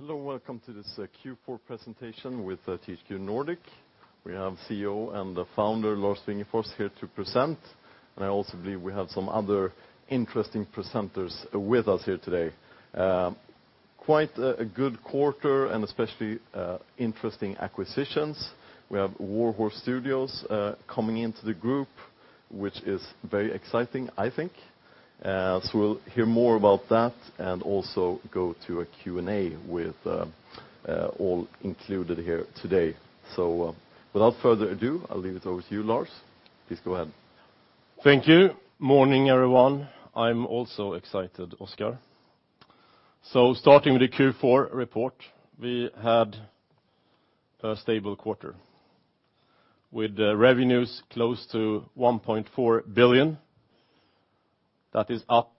Hello, welcome to this Q4 presentation with THQ Nordic. We have CEO and founder Lars Wingefors here to present, and I also believe we have some other interesting presenters with us here today. Quite a good quarter and especially interesting acquisitions. We have Warhorse Studios coming into the group, which is very exciting, I think. We'll hear more about that and also go to a Q&A with all included here today. Without further ado, I'll leave it over to you, Lars. Please go ahead. Thank you. Morning, everyone. I'm also excited, Oscar. Starting with the Q4 report, we had a stable quarter with revenues close to 1.4 billion. That is up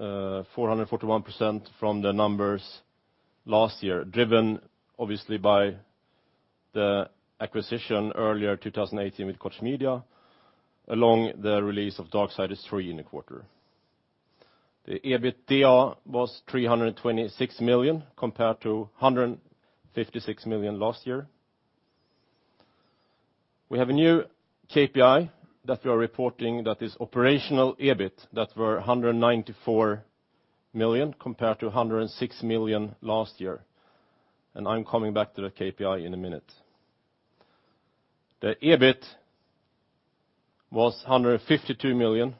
441% from the numbers last year, driven obviously by the acquisition earlier in 2018 with Koch Media, along the release of Darksiders III in the quarter. The EBITDA was 326 million compared to 156 million last year. We have a new KPI that we are reporting that is operational EBIT that were 194 million compared to 106 million last year. I'm coming back to that KPI in a minute. The EBIT was 152 million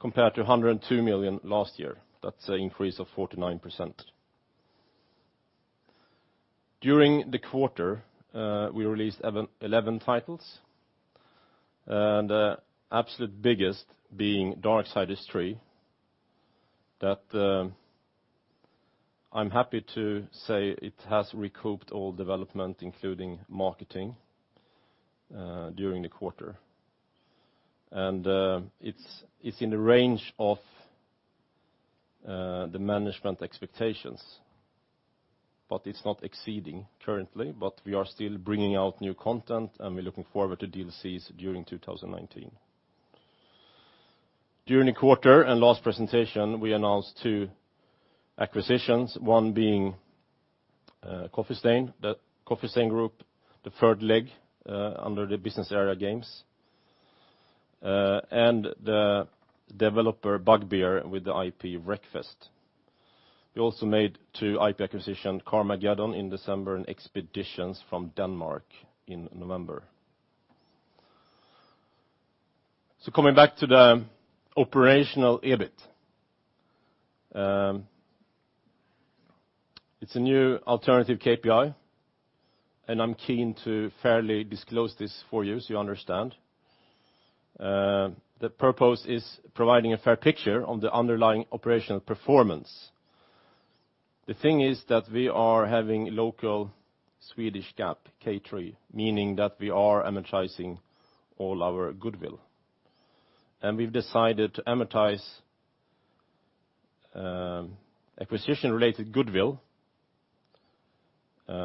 compared to 102 million last year. That's an increase of 49%. During the quarter, we released 11 titles and the absolute biggest being Darksiders III that I'm happy to say it has recouped all development including marketing during the quarter. It's in the range of the management expectations, but it's not exceeding currently, but we are still bringing out new content and we're looking forward to DLCs during 2019. During the quarter and last presentation, we announced two acquisitions, one being Coffee Stain. The Coffee Stain group, the third leg under the business area games. The developer Bugbear with the IP Wreckfest. We also made two IP acquisition, Carmageddon in December and Expeditions from Denmark in November. Coming back to the operational EBIT. It's a new alternative KPI, and I'm keen to fairly disclose this for you so you understand. The purpose is providing a fair picture on the underlying operational performance. The thing is that we are having local Swedish GAAP, K3, meaning that we are amortizing all our goodwill. We've decided to amortize acquisition-related goodwill,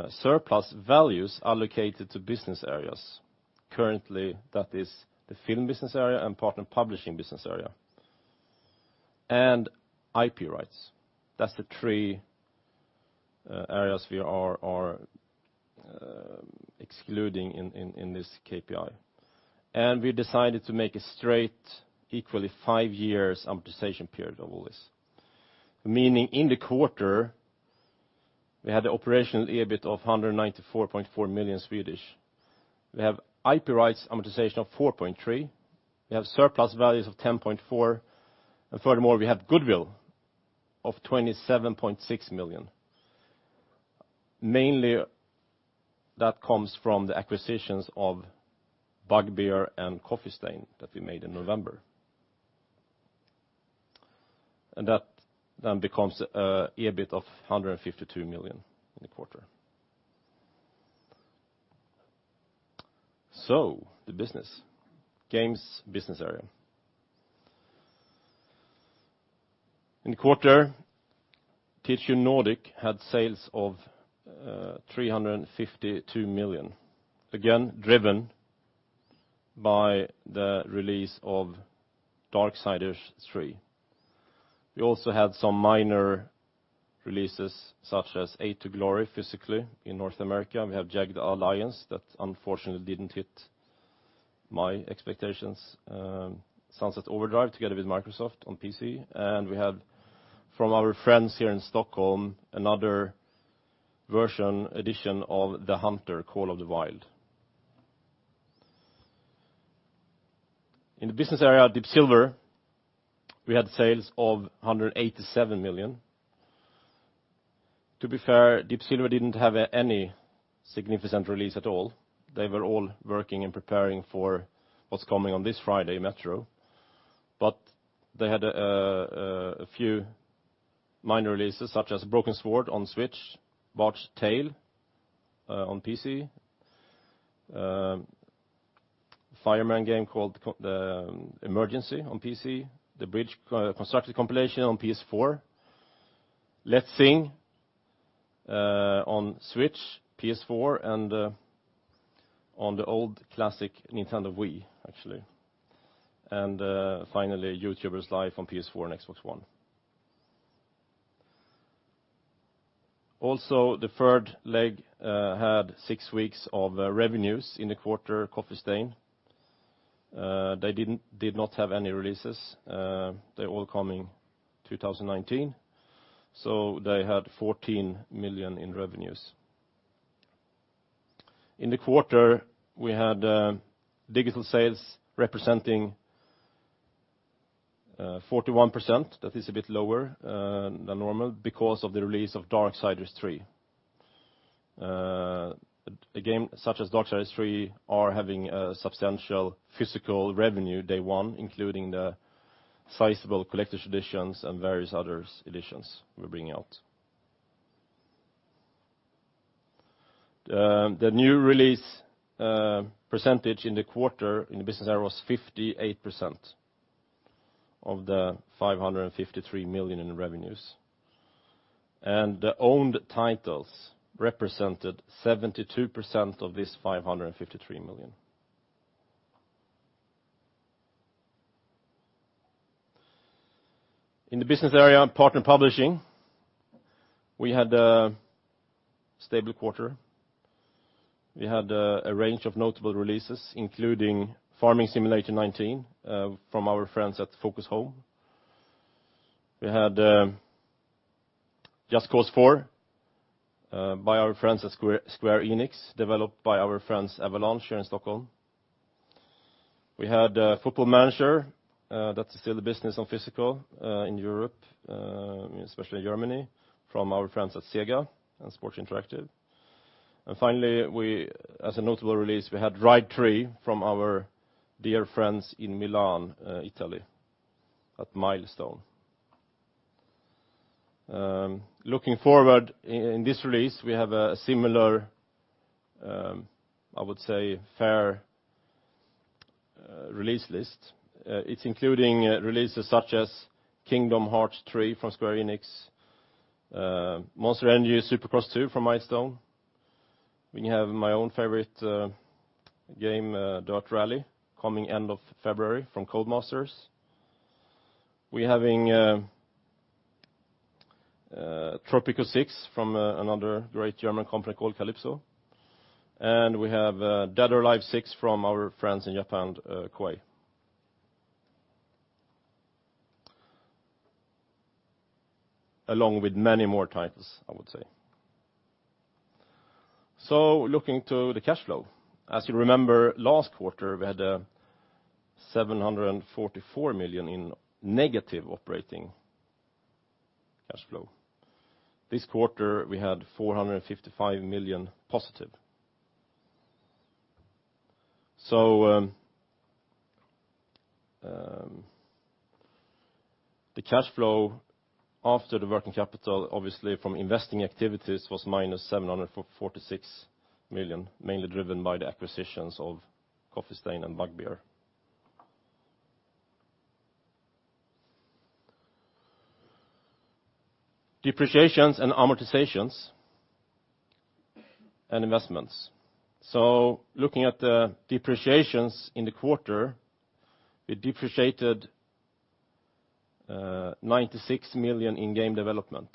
surplus values allocated to business areas. Currently, that is the film business area and part of publishing business area and IP rights. That's the three areas we are excluding in this KPI. Currently, that is the film business area and part of publishing business area and IP rights. We decided to make a straight equally five years amortization period of all this. Meaning in the quarter, we had the operational EBIT of 194.4 million. We have IP rights amortization of 4.3, we have surplus values of 10.4, and furthermore, we have goodwill of 27.6 million. Mainly that comes from the acquisitions of Bugbear and Coffee Stain that we made in November. That then becomes a EBIT of 152 million in the quarter. The business, games business area. In the quarter, THQ Nordic had sales of 352 million, again, driven by the release of Darksiders III. We also had some minor releases such as A to Glory physically in North America. We have Jagged Alliance that unfortunately didn't hit my expectations. Sunset Overdrive together with Microsoft on PC. We have from our friends here in Stockholm, another version edition of theHunter: Call of the Wild. In the business area at Deep Silver, we had sales of 187 million. To be fair, Deep Silver didn't have any significant release at all. They were all working and preparing for what's coming on this Friday, Metro. They had a few minor releases such as Broken Sword on Switch, The Bard's Tale on PC, a fireman game called Emergency on PC, The Bridge Constructor compilation on PS4, Let's Sing on Switch, PS4 and on the old classic Nintendo Wii, actually. Finally, Youtubers Life on PS4 and Xbox One. The third leg had six weeks of revenues in the quarter, Coffee Stain. They did not have any releases. They're all coming 2019. They had 14 million in revenues. In the quarter, we had digital sales representing 41%. That is a bit lower than normal because of the release of Darksiders III. A game such as Darksiders III are having a substantial physical revenue day one, including the sizable collector's editions and various other editions we're bringing out. The new release percentage in the quarter in the business area was 58% of the 553 million in revenues. The owned titles represented 72% of this 553 million. In the business area partner publishing, we had a stable quarter. We had a range of notable releases, including Farming Simulator 19 from our friends at Focus Home. We had Just Cause 4 by our friends at Square Enix, developed by our friends Avalanche here in Stockholm. We had Football Manager, that's still a business on physical in Europe, especially Germany, from our friends at SEGA and Sports Interactive. Finally, as a notable release, we had Ride 3 from our dear friends in Milan, Italy, at Milestone. Looking forward, in this release, we have a similar, I would say, fair release list. It's including releases such as Kingdom Hearts III from Square Enix, Monster Energy Supercross 2 from Milestone. We have my own favorite game, DiRT Rally 2.0, coming end of February from Codemasters. We're having Tropico 6 from another great German company called Kalypso. We have Dead or Alive 6 from our friends in Japan, Koei. Along with many more titles, I would say. Looking to the cash flow. As you remember, last quarter, we had a 744 million in negative operating cash flow. This quarter, we had 455 million positive. The cash flow after the working capital, obviously from investing activities, was minus 746 million, mainly driven by the acquisitions of Coffee Stain and Bugbear. Depreciations and amortizations and investments. Looking at the depreciations in the quarter, we depreciated SEK 96 million in game development.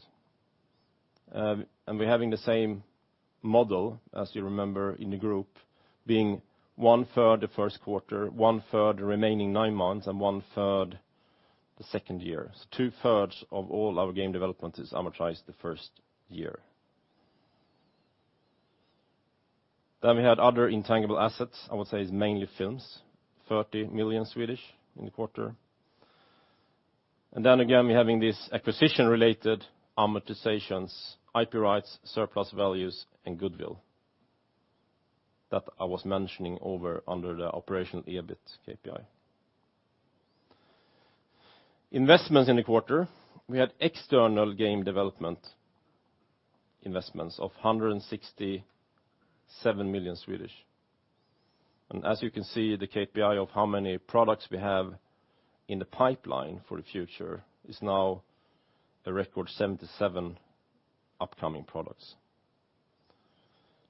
We're having the same model, as you remember, in the group, being one-third the first quarter, one-third the remaining nine months, and one-third the second year. Two-thirds of all our game development is amortized the first year. We had other intangible assets, I would say is mainly films, 30 million in the quarter. Again, we're having these acquisition-related amortizations, IP rights, surplus values, and goodwill that I was mentioning under the operational EBIT KPI. Investments in the quarter, we had external game development investments of 167 million. As you can see, the KPI of how many products we have in the pipeline for the future is now a record 77 upcoming products.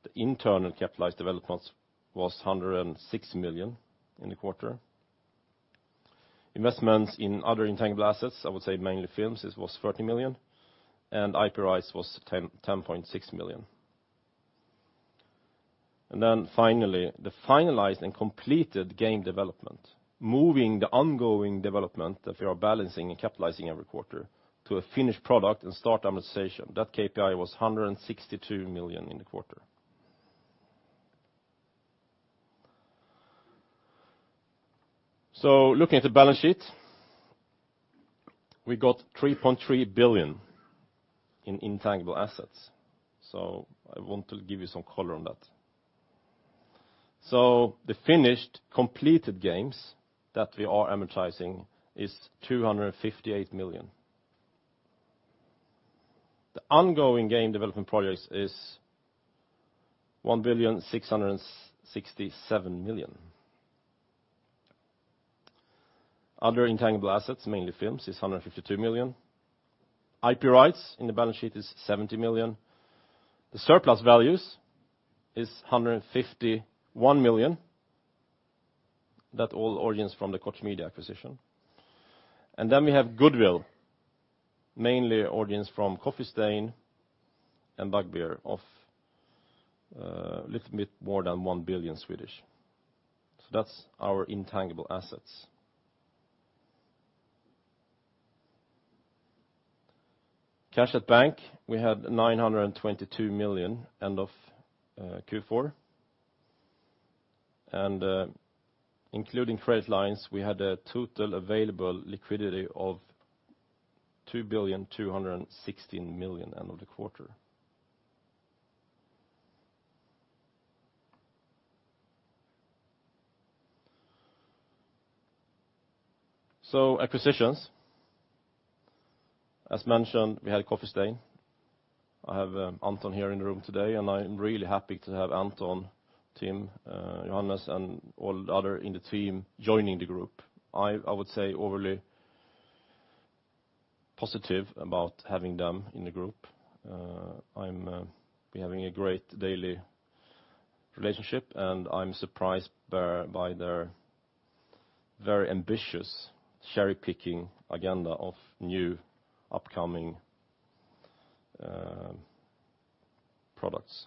The internal capitalized developments was 106 million in the quarter. Investments in other intangible assets, I would say mainly films, this was 30 million, and IP rights was 10.6 million. Finally, the finalized and completed game development, moving the ongoing development that we are balancing and capitalizing every quarter to a finished product and start amortization. That KPI was 162 million in the quarter. Looking at the balance sheet, we got 3.3 billion in intangible assets. I want to give you some color on that. The finished, completed games that we are amortizing is 258 million. The ongoing game development projects is 1.667 billion. Other intangible assets, mainly films, is 152 million. IP rights in the balance sheet is 70 million. The surplus values is 151 million. That all origins from the Koch Media acquisition. We have goodwill, mainly origins from Coffee Stain and Bugbear of a little bit more than 1 billion. That's our intangible assets. Cash at bank, we had 922 million end of Q4. Including credit lines, we had a total available liquidity of 2.216 billion end of the quarter. Acquisitions. As mentioned, we had Coffee Stain. I have Anton here in the room today, and I'm really happy to have Anton, Tim, Johannes, and all the other in the team joining the group. I would say overly positive about having them in the group. We're having a great daily relationship, and I'm surprised by their very ambitious cherry-picking agenda of new upcoming products.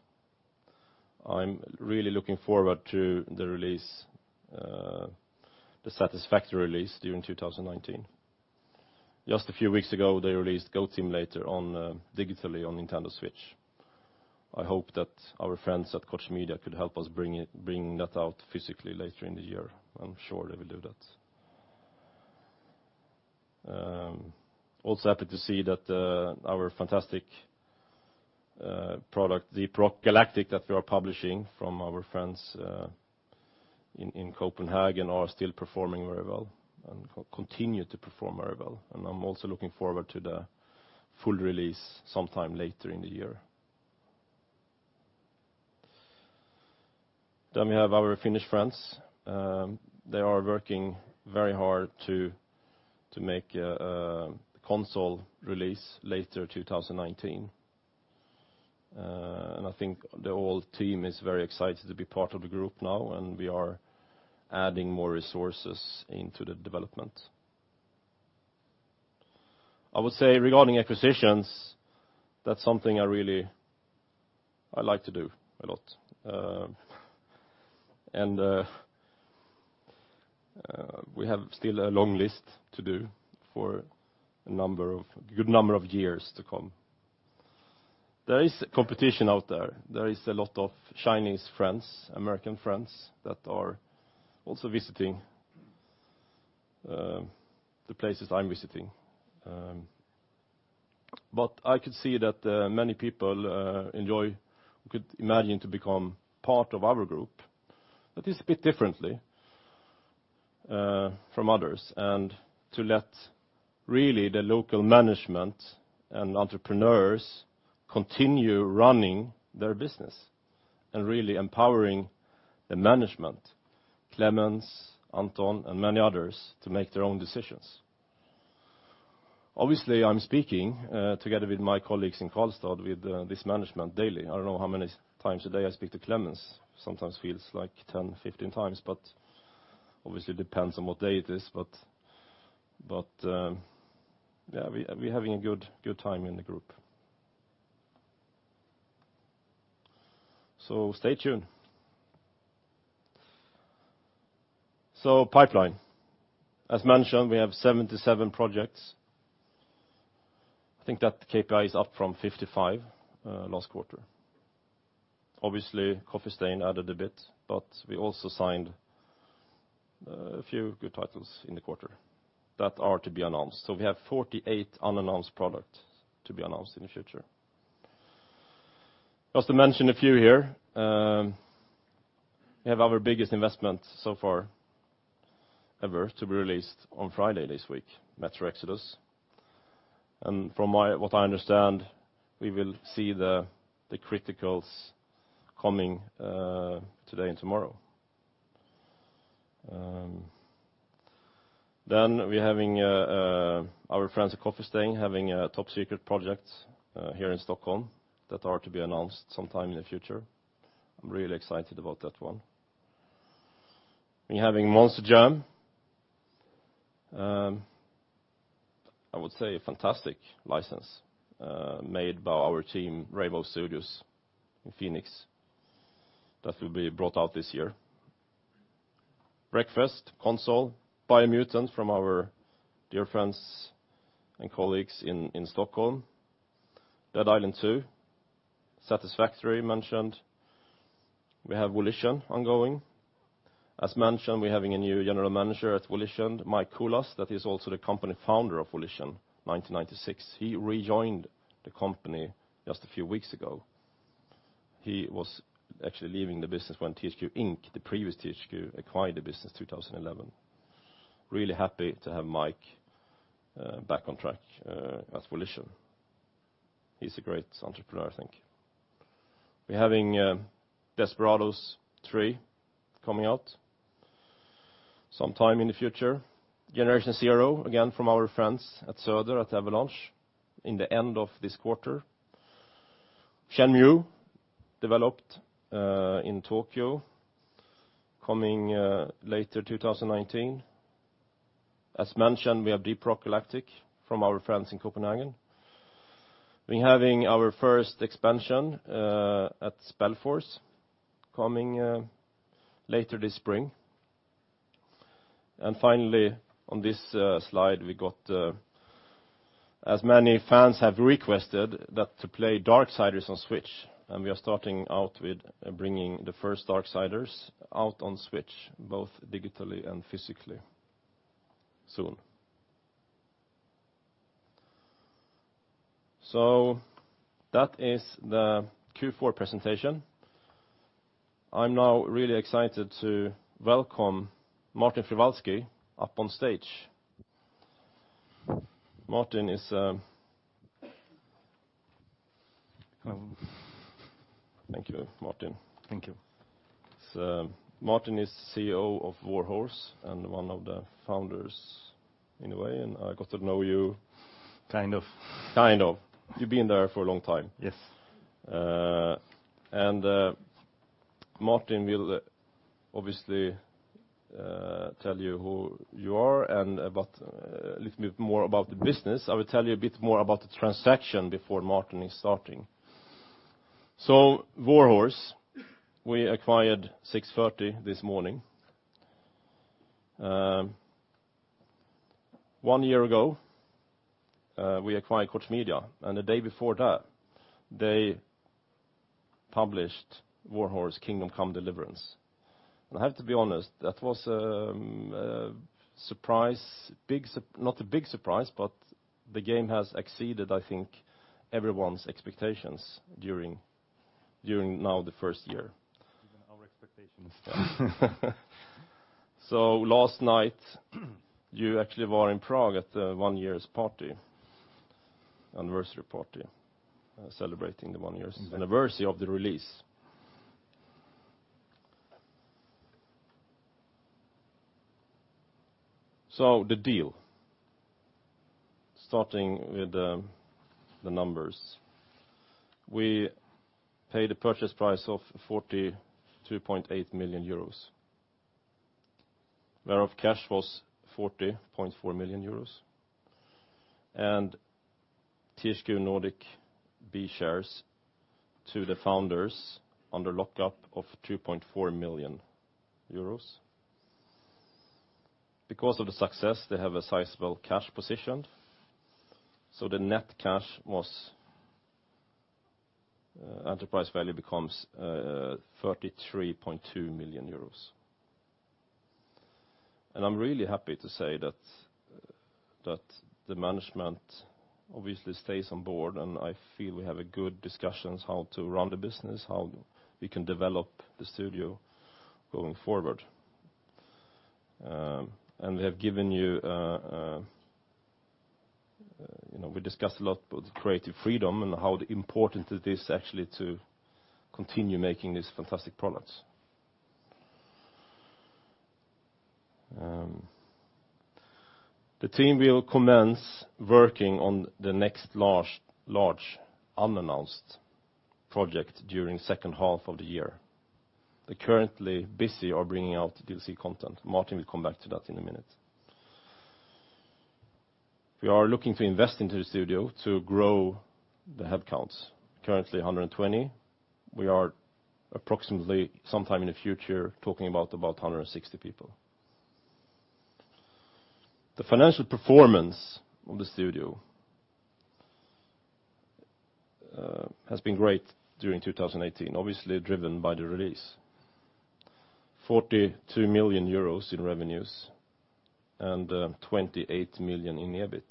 I'm really looking forward to the Satisfactory release during 2019. Just a few weeks ago, they released Goat Simulator digitally on Nintendo Switch. I hope that our friends at Koch Media could help us bring that out physically later in the year. I'm sure they will do that. Also happy to see that our fantastic product, Deep Rock Galactic, that we are publishing from our friends in Copenhagen, are still performing very well and continue to perform very well. I'm also looking forward to the full release sometime later in the year. We have our Finnish friends. They are working very hard to make a console release later 2019. I think the whole team is very excited to be part of the group now, and we are adding more resources into the development. I would say regarding acquisitions, that's something I really like to do a lot. We have still a long list to do for a good number of years to come. There is competition out there. There is a lot of Chinese friends, American friends that are also visiting the places I'm visiting. I could see that many people enjoy, could imagine to become part of our group, but it's a bit differently from others. To let really the local management and entrepreneurs continue running their business and really empowering the management, Klemens, Anton, and many others, to make their own decisions. Obviously, I'm speaking together with my colleagues in Karlstad with this management daily. I don't know how many times a day I speak to Klemens. Sometimes feels like 10x, 15x, but obviously depends on what day it is. We're having a good time in the group. Stay tuned. Pipeline, as mentioned, we have 77 projects. I think that KPI is up from 55 last quarter. Obviously, Coffee Stain added a bit, but we also signed a few good titles in the quarter that are to be announced. We have 48 unannounced products to be announced in the future. Just to mention a few here. We have our biggest investment so far ever to be released on Friday this week, Metro Exodus. From what I understand, we will see the criticals coming today and tomorrow. We're having our friends at Coffee Stain having a top-secret project here in Stockholm that are to be announced sometime in the future. I'm really excited about that one. We're having Monster Jam. I would say a fantastic license made by our team, Rainbow Studios in Phoenix, that will be brought out this year. Wreckfest, console, Biomutant from our dear friends and colleagues in Stockholm. Dead Island 2, Satisfactory mentioned. We have Volition ongoing. As mentioned, we're having a new General Manager at Volition, Mike Kulas, that is also the company founder of Volition, 1996. He rejoined the company just a few weeks ago. He was actually leaving the business when THQ Inc, the previous THQ, acquired the business 2011. Really happy to have Mike back on track at Volition. He's a great entrepreneur. We're having Desperados 3 coming out sometime in the future. Generation Zero, again, from our friends at Söder at Avalanche in the end of this quarter. Shenmue developed in Tokyo, coming later 2019. As mentioned, we have Deep Rock Galactic from our friends in Copenhagen. We're having our first expansion at SpellForce coming later this spring. Finally, on this slide, we got as many fans have requested that to play Darksiders on Switch, and we are starting out with bringing the first Darksiders out on Switch, both digitally and physically soon. That is the Q4 presentation. I'm now really excited to welcome Martin Frývaldský up on stage. Thank you, Martin. Thank you. Martin is CEO of Warhorse Studios and one of the founders in a way, and I got to know you. Kind of. Kind of. You've been there for a long time. Yes. Martin will obviously tell you who you are and a little bit more about the business. I will tell you a bit more about the transaction before Martin is starting. Warhorse Studios, we acquired 6:30 A.M. this morning. One year ago, we acquired Koch Media, and the day before that, they published Warhorse: Kingdom Come: Deliverance. I have to be honest, that was a surprise. Not a big surprise, but the game has exceeded, I think, everyone's expectations during now the first year. Even our expectations. Last night, you actually were in Prague at the one-year's party, anniversary party, celebrating the one-year's anniversary of the release. The deal, starting with the numbers. We paid a purchase price of 42.8 million euros, whereof cash was 40.4 million euros, and THQ Nordic B shares to the founders under lockup of 2.4 million euros. Because of the success, they have a sizable cash position. The net cash Enterprise value becomes 33.2 million euros. I'm really happy to say that the management obviously stays on board, and I feel we have good discussions how to run the business, how we can develop the studio going forward. We discussed a lot about the creative freedom and how important it is actually to continue making these fantastic products. The team will commence working on the next large unannounced project during second half of the year. They're currently busy or bringing out DLC content. Martin will come back to that in a minute. We are looking to invest into the studio to grow the headcounts. Currently 120. We are approximately, sometime in the future, talking about 160 people. The financial performance of the studio has been great during 2018, obviously driven by the release. 42 million euros in revenues and 28 million in EBIT.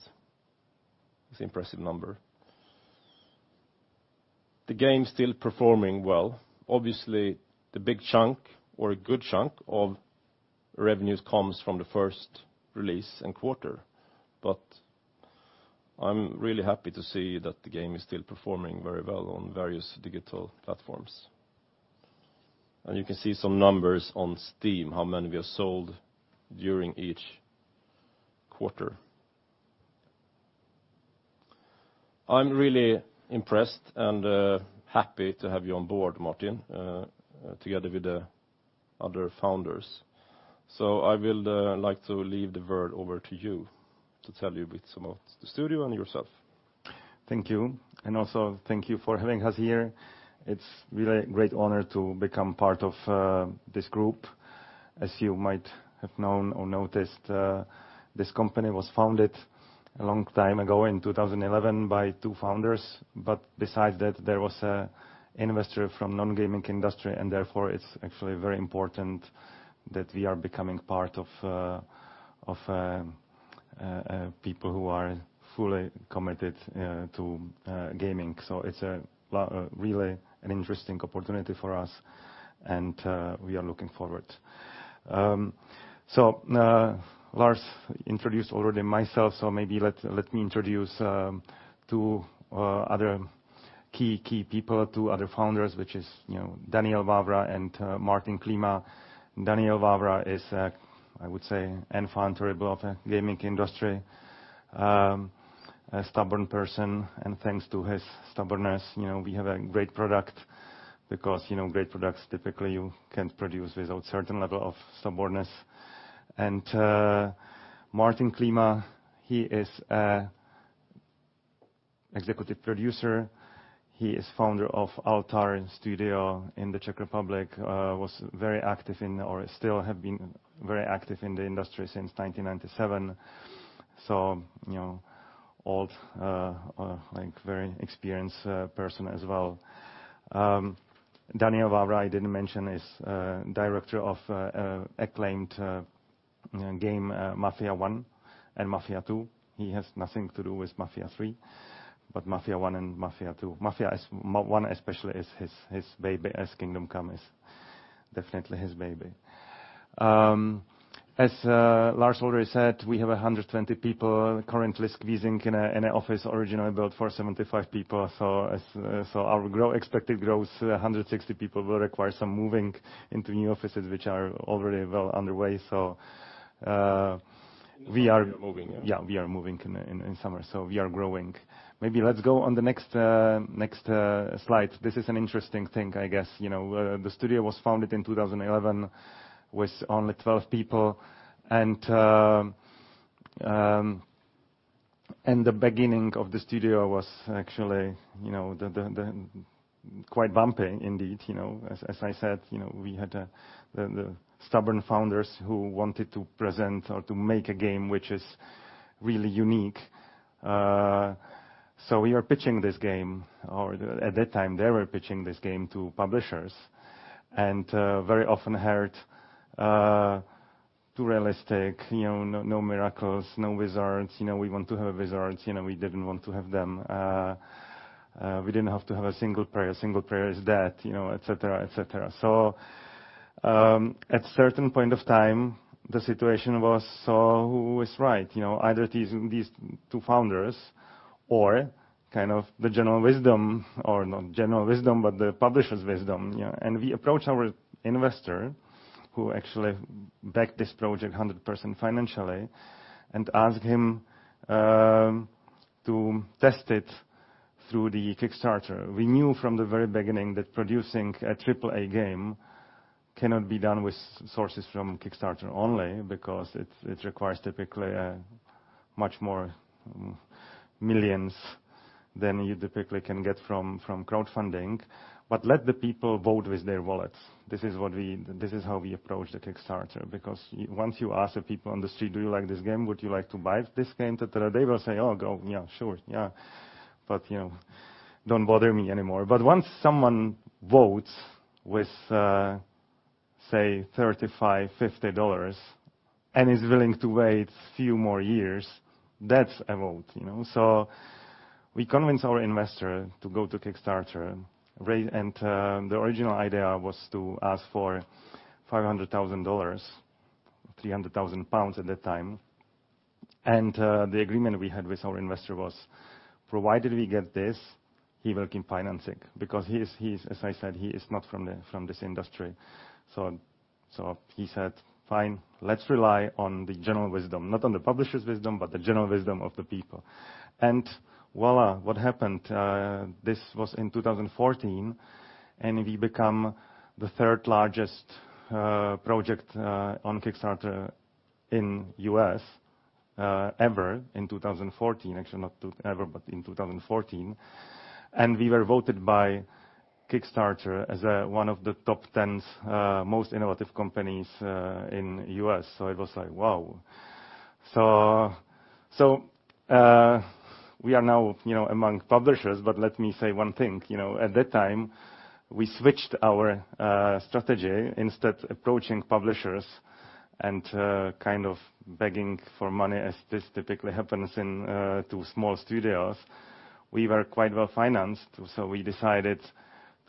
It's impressive number. The game's still performing well. Obviously, the big chunk or a good chunk of revenues comes from the first release and quarter. I'm really happy to see that the game is still performing very well on various digital platforms. You can see some numbers on Steam, how many we have sold during each quarter. I'm really impressed and happy to have you on board, Martin, together with the other founders. I will like to leave the word over to you to tell you a bit about the studio and yourself. Thank you. Also thank you for having us here. It's really a great honor to become part of this group. As you might have known or noticed, this company was founded a long time ago in 2011 by two founders. Besides that, there was an investor from non-gaming industry, and therefore, it's actually very important that we are becoming part of people who are fully committed to gaming. It's really an interesting opportunity for us, and we are looking forward. Lars introduced already myself, so maybe let me introduce two other key people, two other founders, which is Daniel Vávra and Martin Klíma. Daniel Vávra is, I would say, enfant terrible of the gaming industry. A stubborn person, and thanks to his stubbornness, we have a great product because great products typically you can't produce without a certain level of stubbornness. Martin Klíma, he is executive producer. He is founder of Altar Games in the Czech Republic. Was very active in, or still have been very active in the industry since 1997. Old, like very experienced person as well. Daniel Vávra, I didn't mention, is director of acclaimed game, Mafia I and Mafia II. He has nothing to do with Mafia III, but Mafia I and Mafia II. Mafia I especially is his baby, as Kingdom Come is definitely his baby. As Lars already said, we have 120 people currently squeezing in an office originally built for 75 people. Our expected growth to 160 people will require some moving into new offices, which are already well underway. Moving, yeah. We are moving in summer, so we are growing. Maybe let's go on the next slide. This is an interesting thing, I guess. The studio was founded in 2011 with only 12 people. The beginning of the studio was actually quite bumpy, indeed. As I said, we had the stubborn founders who wanted to present or to make a game which is really unique. We are pitching this game, or at that time, they were pitching this game to publishers, and very often heard, "Too realistic," "No miracles," "No wizards," "We want to have wizards." We didn't want to have them. We didn't have to have a single prayer. A single prayer is dead, et cetera. At a certain point of time, the situation was, so who is right? Either these two founders or kind of the general wisdom, or not general wisdom, but the publisher's wisdom. We approach our investor, who actually backed this project 100% financially, and asked him to test it through the Kickstarter. We knew from the very beginning that producing a AAA game cannot be done with sources from Kickstarter only because it requires typically much more millions than you typically can get from crowdfunding. Let the people vote with their wallets. This is how we approach the Kickstarter, because once you ask the people on the street, "Do you like this game? Would you like to buy this game?" Et cetera, they will say, "Oh, go, yeah, sure. Don't bother me anymore." But once someone votes with, say, $35, $50, and is willing to wait few more years, that's a vote. We convince our investor to go to Kickstarter. The original idea was to ask for $500,000, 300,000 pounds at that time. The agreement we had with our investor was, provided we get this, he will keep financing because as I said, he is not from this industry. He said, "Fine. Let's rely on the general wisdom," not on the publisher's wisdom, but the general wisdom of the people. Voilà, what happened, this was in 2014, and we become the third-largest project on Kickstarter in U.S. ever in 2014. Actually, not ever, but in 2014. We were voted by Kickstarter as one of the top 10 most innovative companies in U.S. It was like, wow. We are now among publishers, but let me say one thing. At that time, we switched our strategy. Instead approaching publishers and kind of begging for money, as this typically happens to small studios, we were quite well-financed. We decided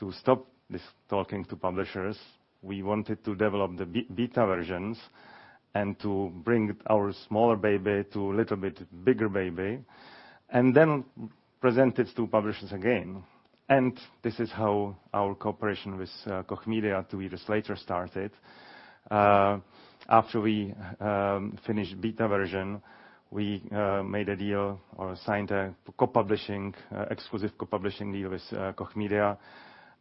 to stop this talking to publishers. We wanted to develop the beta versions and to bring our smaller baby to a little bit bigger baby, and then present it to publishers again. This is how our cooperation with Koch Media two years later started. After we finished beta version, we made a deal or signed an exclusive co-publishing deal with Koch Media,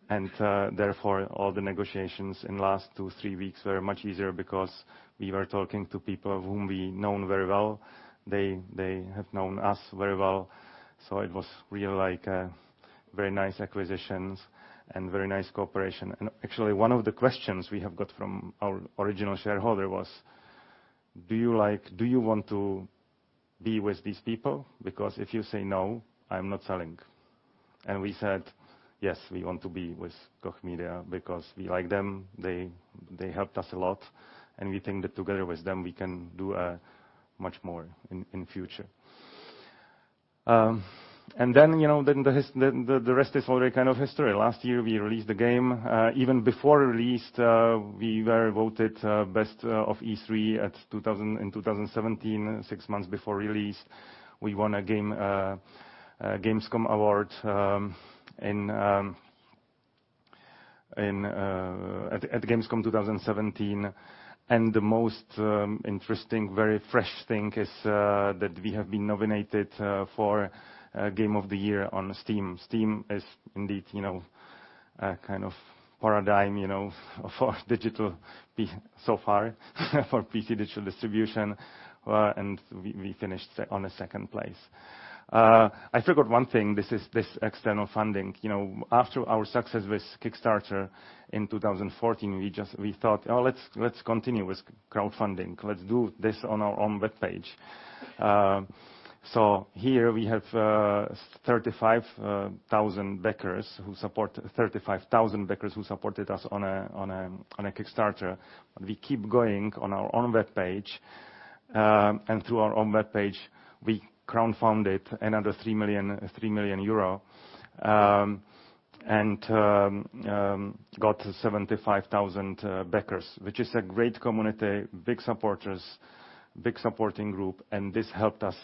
and therefore, all the negotiations in last two, three weeks were much easier because we were talking to people whom we known very well. They have known us very well. It was really like a very nice acquisitions and very nice cooperation. Actually, one of the questions we have got from our original shareholder was, "Do you want to be with these people? Because if you say no, I'm not selling." We said, "Yes, we want to be with Koch Media because we like them, they helped us a lot, and we think that together with them, we can do much more in future." The rest is already history. Last year, we released the game. Even before release, we were voted best of E3 in 2017, six months before release. We won a gamescom Award at gamescom 2017. The most interesting, very fresh thing is that we have been nominated for Game of the Year on Steam. Steam is indeed a paradigm for digital so far for PC digital distribution, and we finished on the second place. I forgot one thing. This is this external funding. After our success with Kickstarter in 2014, we thought, "Oh, let's continue with crowdfunding. Let's do this on our own webpage." Here we have 35,000 backers who supported us on Kickstarter. We keep going on our own webpage, and through our own webpage, we crowdfunded another EUR 3 million and got 75,000 backers, which is a great community, big supporters, big supporting group, and this helped us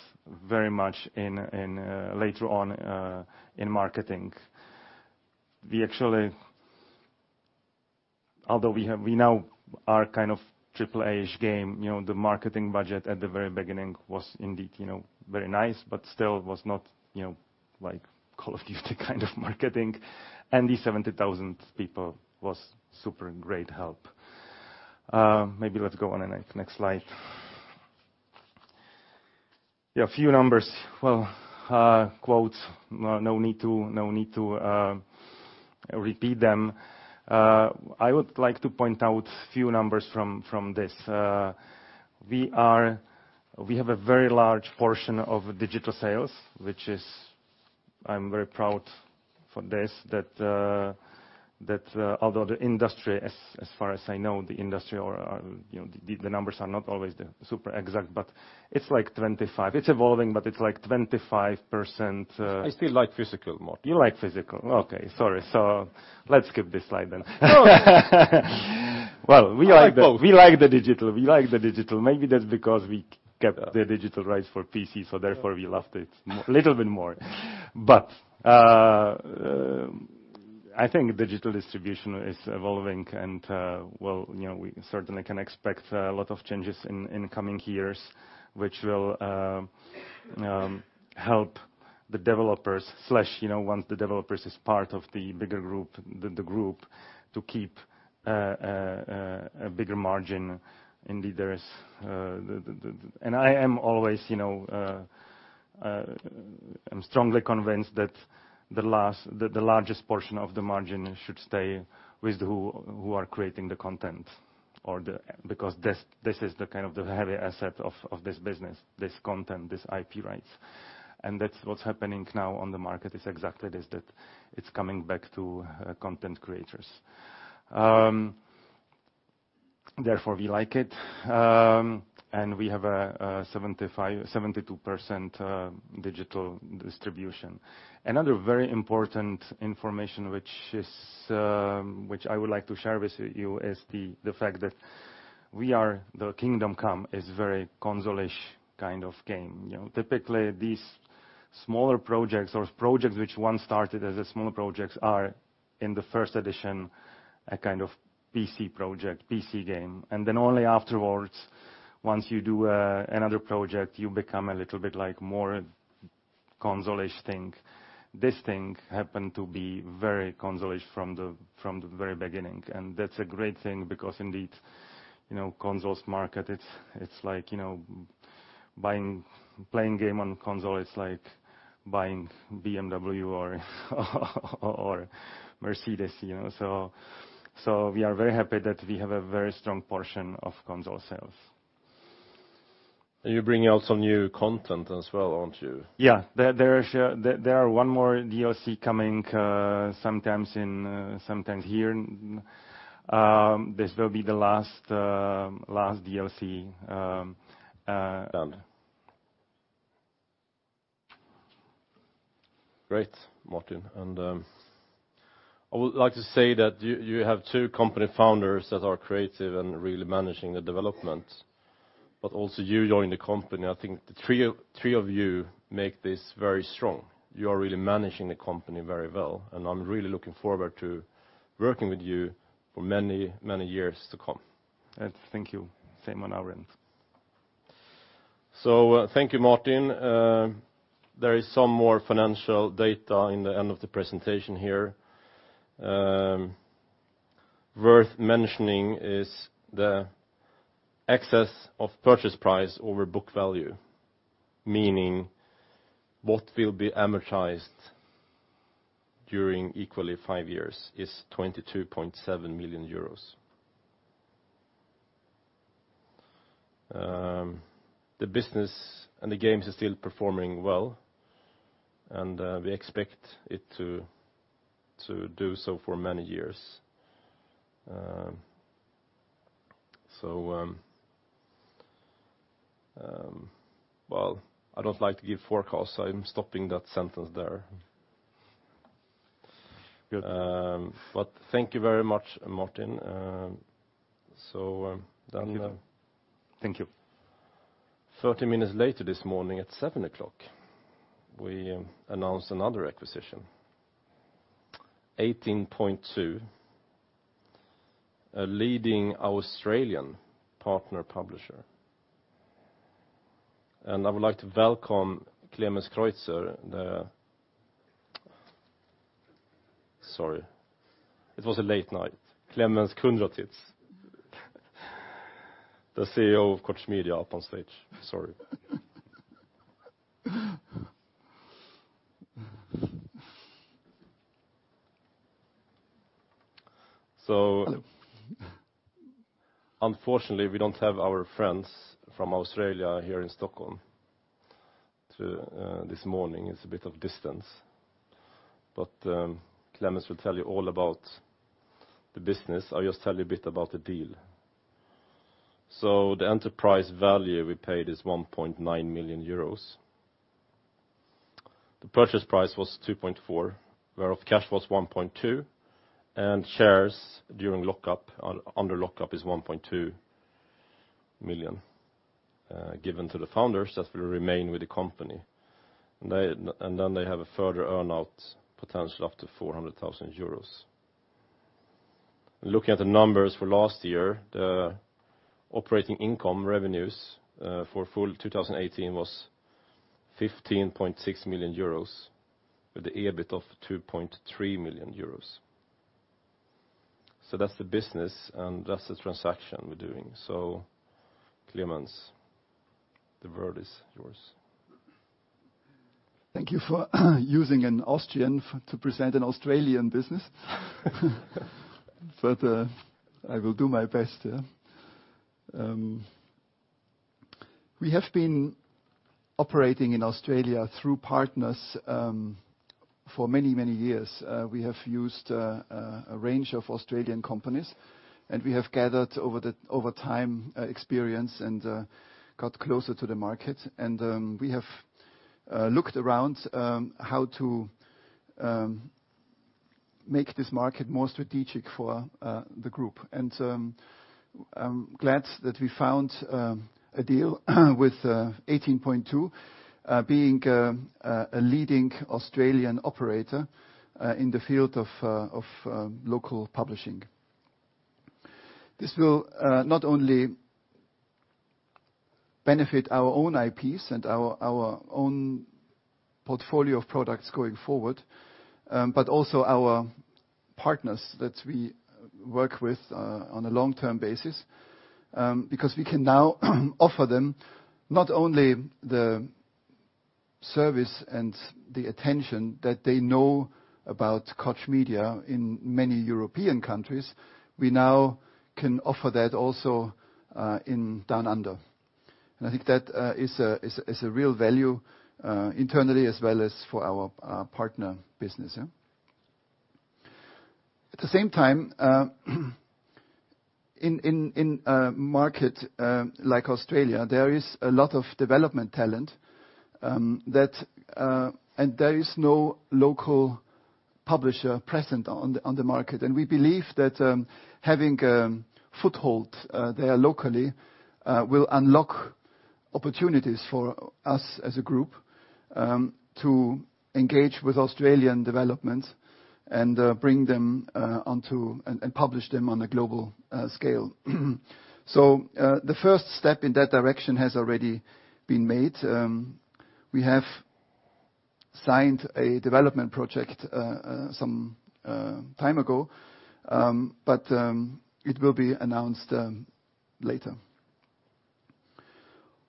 very much later on in marketing. Although we now are AAA-ish game, the marketing budget at the very beginning was indeed very nice, but still was not like Call of Duty kind of marketing, and the 70,000 people was super great help. Maybe let's go on the next slide. Yeah, a few numbers. Well, quotes, no need to repeat them. I would like to point out a few numbers from this. We have a very large portion of digital sales. I'm very proud for this, that although the industry, as far as I know, the industry or the numbers are not always the super exact, but it's evolving, but it's like 25%. I still like physical more You like physical. Okay, sorry. Let's skip this slide then. No. Well, we like- I like both we like the digital. We like the digital. Maybe that's because we kept the digital rights for PC. Therefore we loved it a little bit more. I think digital distribution is evolving and we certainly can expect a lot of changes in coming years, which will help the developers slash, once the developer is part of the bigger group, the group to keep a bigger margin. Indeed, I am always strongly convinced that the largest portion of the margin should stay with who are creating the content. Because this is the heavy asset of this business, this content, this IP rights. That's what's happening now on the market is exactly this, that it's coming back to content creators. We like it. We have a 72% digital distribution. Another very important information, which I would like to share with you is the fact that Kingdom Come is very console-ish kind of game. Typically, these smaller projects or projects which once started as a smaller projects are, in the first edition, a PC project, PC game. Then only afterwards, once you do another project, you become a little bit more console-ish thing. This thing happened to be very console-ish from the very beginning. That's a great thing because indeed, consoles market, playing game on console, it's like buying BMW or Mercedes-Benz. We are very happy that we have a very strong portion of console sales. You're bringing out some new content as well, aren't you? Yeah. There are one more DLC coming sometimes here. This will be the last DLC. Done. Great, Martin. I would like to say that you have two company founders that are creative and really managing the development, but also you joining the company, I think the three of you make this very strong. You are really managing the company very well, and I'm really looking forward to working with you for many, many years to come. Thank you. Same on our end. Thank you, Martin. There is some more financial data in the end of the presentation here. Worth mentioning is the excess of purchase price over book value, meaning what will be amortized during equally five years is 22.7 million euros. The business and the games are still performing well, and we expect it to do so for many years. Well, I don't like to give forecasts, so I'm stopping that sentence there. Good. Thank you very much, Martin. Done. Thank you. 30 minutes later this morning at 7:00 A.M., we announced another acquisition, 18POINT2, a leading Australian partner publisher. I would like to welcome Klemens Kundratitz, the Sorry, it was a late night. Klemens Kundratitz. The CEO of Koch Media up on stage. Sorry. Unfortunately, we don't have our friends from Australia here in Stockholm this morning. It's a bit of distance. Klemens will tell you all about the business. I'll just tell you a bit about the deal. The enterprise value we paid is 1.9 million euros. The purchase price was 2.4, whereof cash was 1.2, and shares under lockup is 1.2 million given to the founders that will remain with the company. They have a further earn-out potential up to 400,000 euros. Looking at the numbers for last year, the operating income revenues for full 2018 was 15.6 million euros, with the EBIT of 2.3 million euros. That's the business and that's the transaction we're doing. Klemens, the word is yours. Thank you for using an Austrian to present an Australian business. I will do my best. We have been operating in Australia through partners for many, many years. We have used a range of Australian companies, and we have gathered over time, experience and got closer to the market. We have looked around how to make this market more strategic for the group. I'm glad that we found a deal with 18POINT2, being a leading Australian operator in the field of local publishing. This will not only benefit our own IPs and our own portfolio of products going forward, but also our partners that we work with on a long-term basis. We can now offer them not only the service and the attention that they know about Koch Media in many European countries, we now can offer that also in Down Under. I think that is a real value internally as well as for our partner business. At the same time, in a market like Australia, there is a lot of development talent, and there is no local publisher present on the market. We believe that having foothold there locally will unlock opportunities for us as a group to engage with Australian development and publish them on a global scale. The first step in that direction has already been made. We have signed a development project some time ago, but it will be announced later.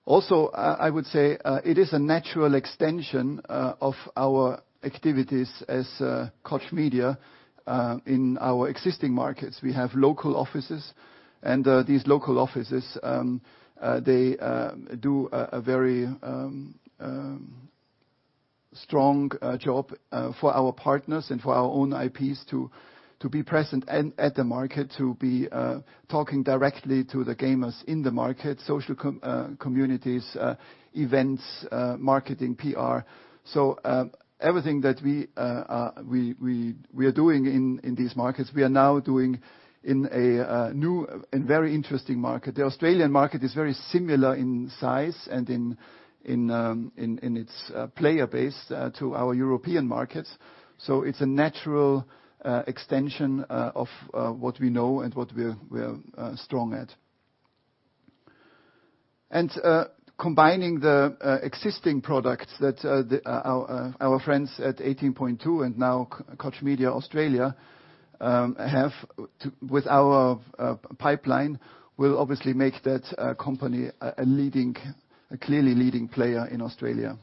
I would say it is a natural extension of our activities as Koch Media in our existing markets. We have local offices, and these local offices, they do a very strong job for our partners and for our own IPs to be present at the market, to be talking directly to the gamers in the market, social communities, events, marketing, PR. Everything that we are doing in these markets, we are now doing in a new and very interesting market. The Australian market is very similar in size and in its player base to our European markets. It's a natural extension of what we know and what we are strong at. Combining the existing products that our friends at 18POINT2 and now Koch Media Australia have with our pipeline will obviously make that company a clearly leading player in Australia.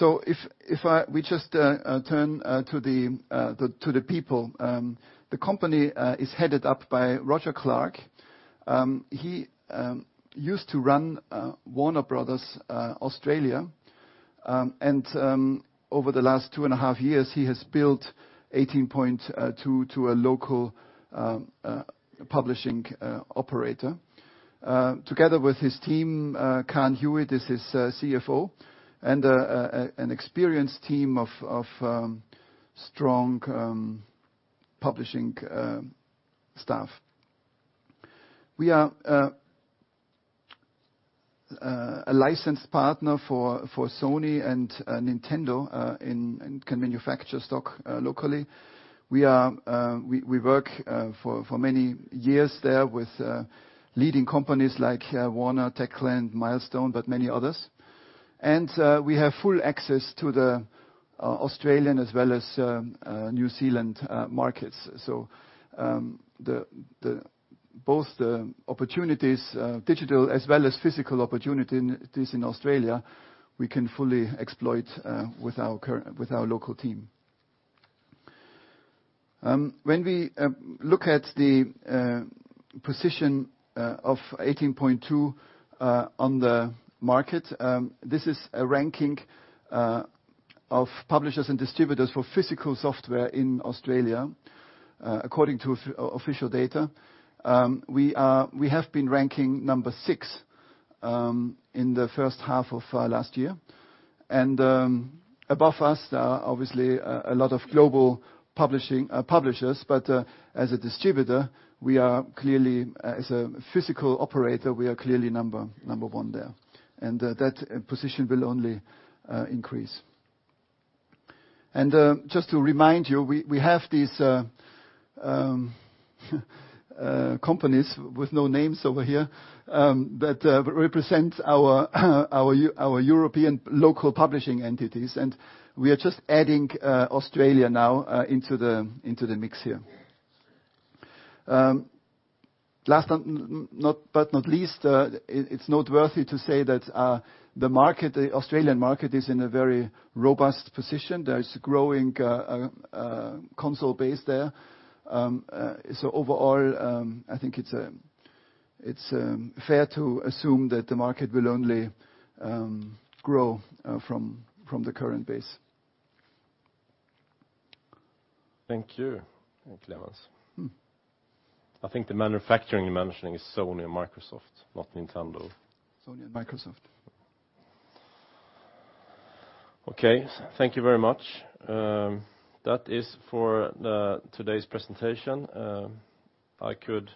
If we just turn to the people. The company is headed up by Roger Clark. He used to run Warner Bros. Australia. Over the last two and a half years, he has built 18POINT2 to a local publishing operator. Together with his team, Kaan Hewitt is his CFO and an experienced team of strong publishing staff. We are a licensed partner for Sony and Nintendo, and can manufacture stock locally. We work for many years there with leading companies like Warner, Techland, Milestone, but many others. We have full access to the Australian as well as New Zealand markets. Both the opportunities, digital as well as physical opportunities in Australia, we can fully exploit with our local team. When we look at the position of 18POINT2 on the market, this is a ranking of publishers and distributors for physical software in Australia according to official data. We have been ranking number six in the first half of last year. Above us, there are obviously a lot of global publishers, but as a distributor, as a physical operator, we are clearly number one there. That position will only increase. Just to remind you, we have these companies with no names over here that represent our European local publishing entities, and we are just adding Australia now into the mix here. Last but not least, it's noteworthy to say that the Australian market is in a very robust position. There's a growing console base there. Overall, I think it's fair to assume that the market will only grow from the current base. Thank you, Klemens. I think the manufacturing you're mentioning is Sony and Microsoft, not Nintendo. Sony and Microsoft. Okay. Thank you very much. That is for today's presentation. I could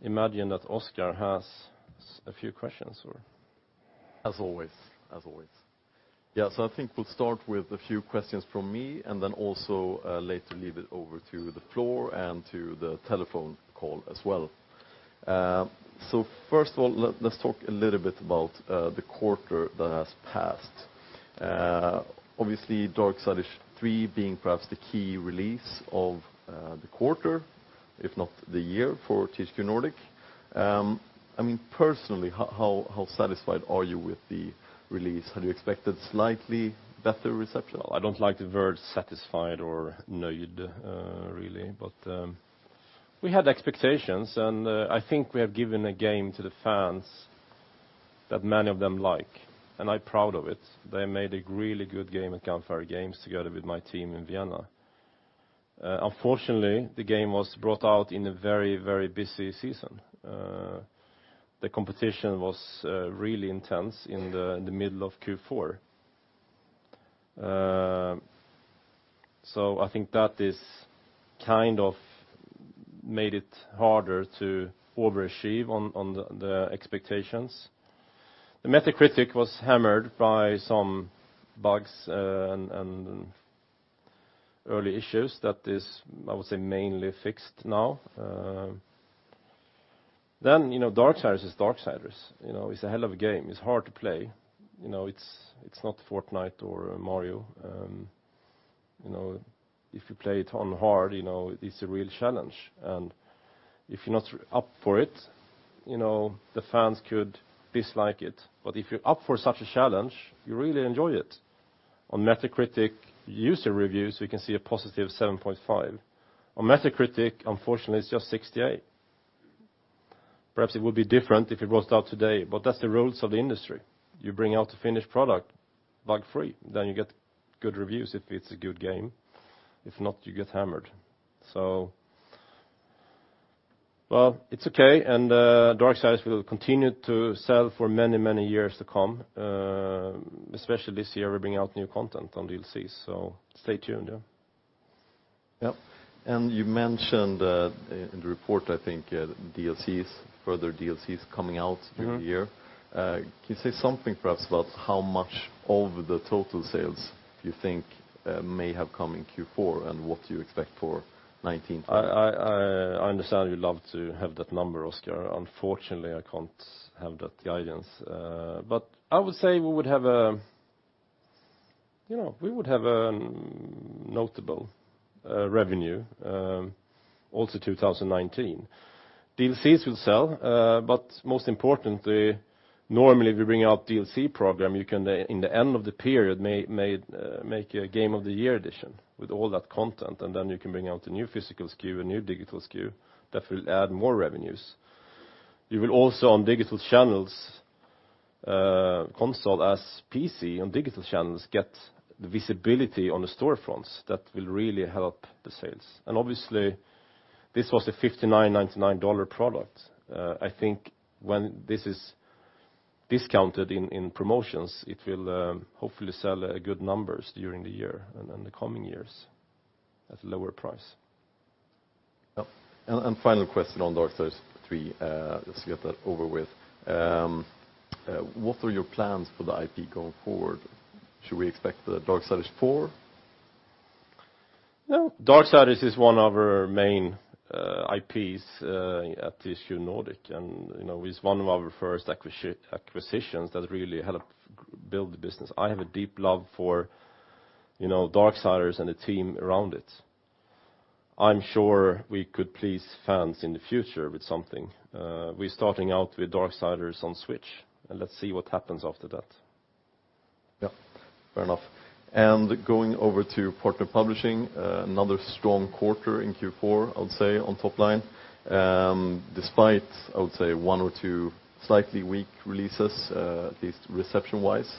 imagine that Oscar has a few questions. As always. As always. I think we'll start with a few questions from me, then also later leave it over to the floor and to the telephone call as well. First of all, let's talk a little bit about the quarter that has passed. Obviously, Darksiders III being perhaps the key release of the quarter, if not the year for THQ Nordic. Personally, how satisfied are you with the release? Had you expected slightly better reception? Well, I don't like the word satisfied or really, we had expectations, I think we have given a game to the fans that many of them like, and I'm proud of it. They made a really good game at Gunfire Games together with my team in Vienna. Unfortunately, the game was brought out in a very busy season. The competition was really intense in the middle of Q4. I think that is kind of made it harder to overachieve on the expectations. The Metacritic was hammered by some bugs and early issues that is, I would say, mainly fixed now. Darksiders is Darksiders. It's a hell of a game. It's hard to play. It's not Fortnite or Mario. If you play it on hard, it's a real challenge. If you're not up for it, the fans could dislike it. If you're up for such a challenge, you really enjoy it. On Metacritic user reviews, we can see a positive 7.5. On Metacritic, unfortunately, it's just 68. Perhaps it would be different if it was out today, that's the rules of the industry. You bring out a finished product, bug-free, then you get good reviews if it's a good game. If not, you get hammered. Well, it's okay, Darksiders will continue to sell for many years to come. Especially this year, we're bringing out new content on DLCs, stay tuned. Yep. You mentioned in the report, I think, DLCs, further DLCs coming out during the year. Can you say something perhaps about how much of the total sales you think may have come in Q4 and what you expect for 2019? I understand you'd love to have that number, Oscar. Unfortunately, I can't have that guidance. I would say we would have a notable revenue also 2019. DLCs will sell, but most importantly, normally, if you bring out DLC program, you can, in the end of the period, make a game of the year edition with all that content, then you can bring out a new physical SKU, a new digital SKU that will add more revenues. You will also, on digital channels-Console as PC and digital channels get the visibility on the storefronts that will really help the sales. Obviously, this was a $59.99 product. I think when this is discounted in promotions, it will hopefully sell good numbers during the year and in the coming years at a lower price. Yeah. Final question on Darksiders III, let's get that over with. What are your plans for the IP going forward? Should we expect a Darksiders 4? Darksiders is one of our main IPs at THQ Nordic, it's one of our first acquisitions that really helped build the business. I have a deep love for Darksiders and the team around it. I'm sure we could please fans in the future with something. We're starting out with Darksiders on Switch, let's see what happens after that. Yeah, fair enough. Going over to Partner Publishing, another strong quarter in Q4, I'll say on top line. Despite, I would say, one or two slightly weak releases, at least reception-wise.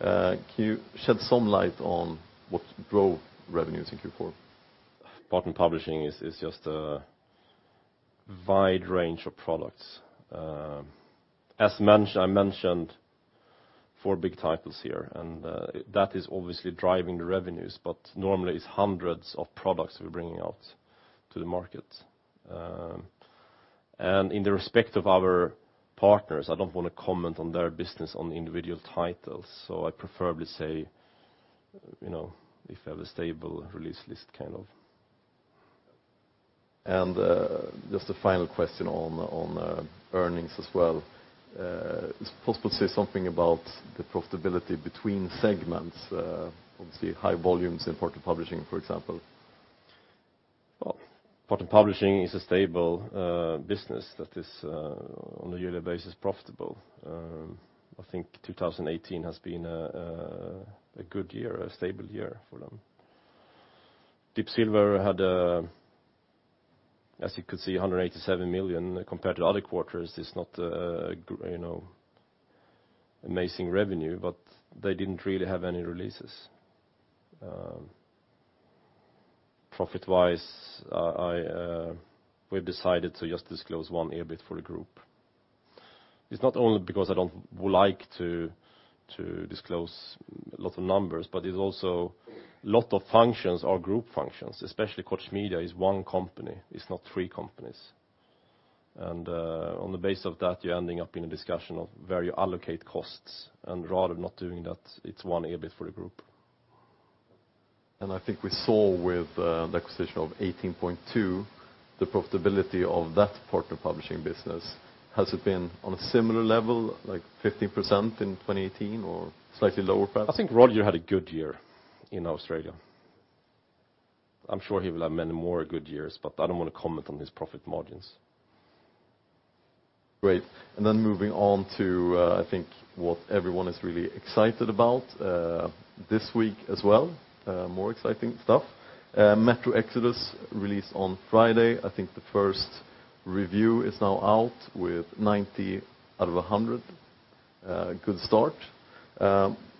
Can you shed some light on what drove revenues in Q4? Partner Publishing is just a wide range of products. As I mentioned, four big titles here, that is obviously driving the revenues, normally it's hundreds of products we're bringing out to the market. In the respect of our partners, I don't want to comment on their business on individual titles. I preferably say, if we have a stable release list. Just a final question on earnings as well. Is it possible to say something about the profitability between segments? Obviously, high volumes in Partner Publishing, for example. Partner Publishing is a stable business that is on a yearly basis profitable. I think 2018 has been a good year, a stable year for them. Deep Silver had, as you could see, 187 million compared to other quarters is not amazing revenue, they didn't really have any releases. Profit-wise, we've decided to just disclose one EBIT for the group. It's not only because I don't like to disclose a lot of numbers, it's also a lot of functions are group functions, especially Koch Media is one company. It's not three companies. On the base of that, you're ending up in a discussion of where you allocate costs, rather not doing that, it's one EBIT for the group. I think we saw with the acquisition of 18POINT2 the profitability of that Partner Publishing business. Has it been on a similar level, like 15% in 2018 or slightly lower, perhaps? I think Roger had a good year in Australia. I'm sure he will have many more good years, I don't want to comment on his profit margins. Great, moving on to, I think what everyone is really excited about this week as well. More exciting stuff. Metro Exodus released on Friday. I think the first review is now out with 90 out of 100. Good start.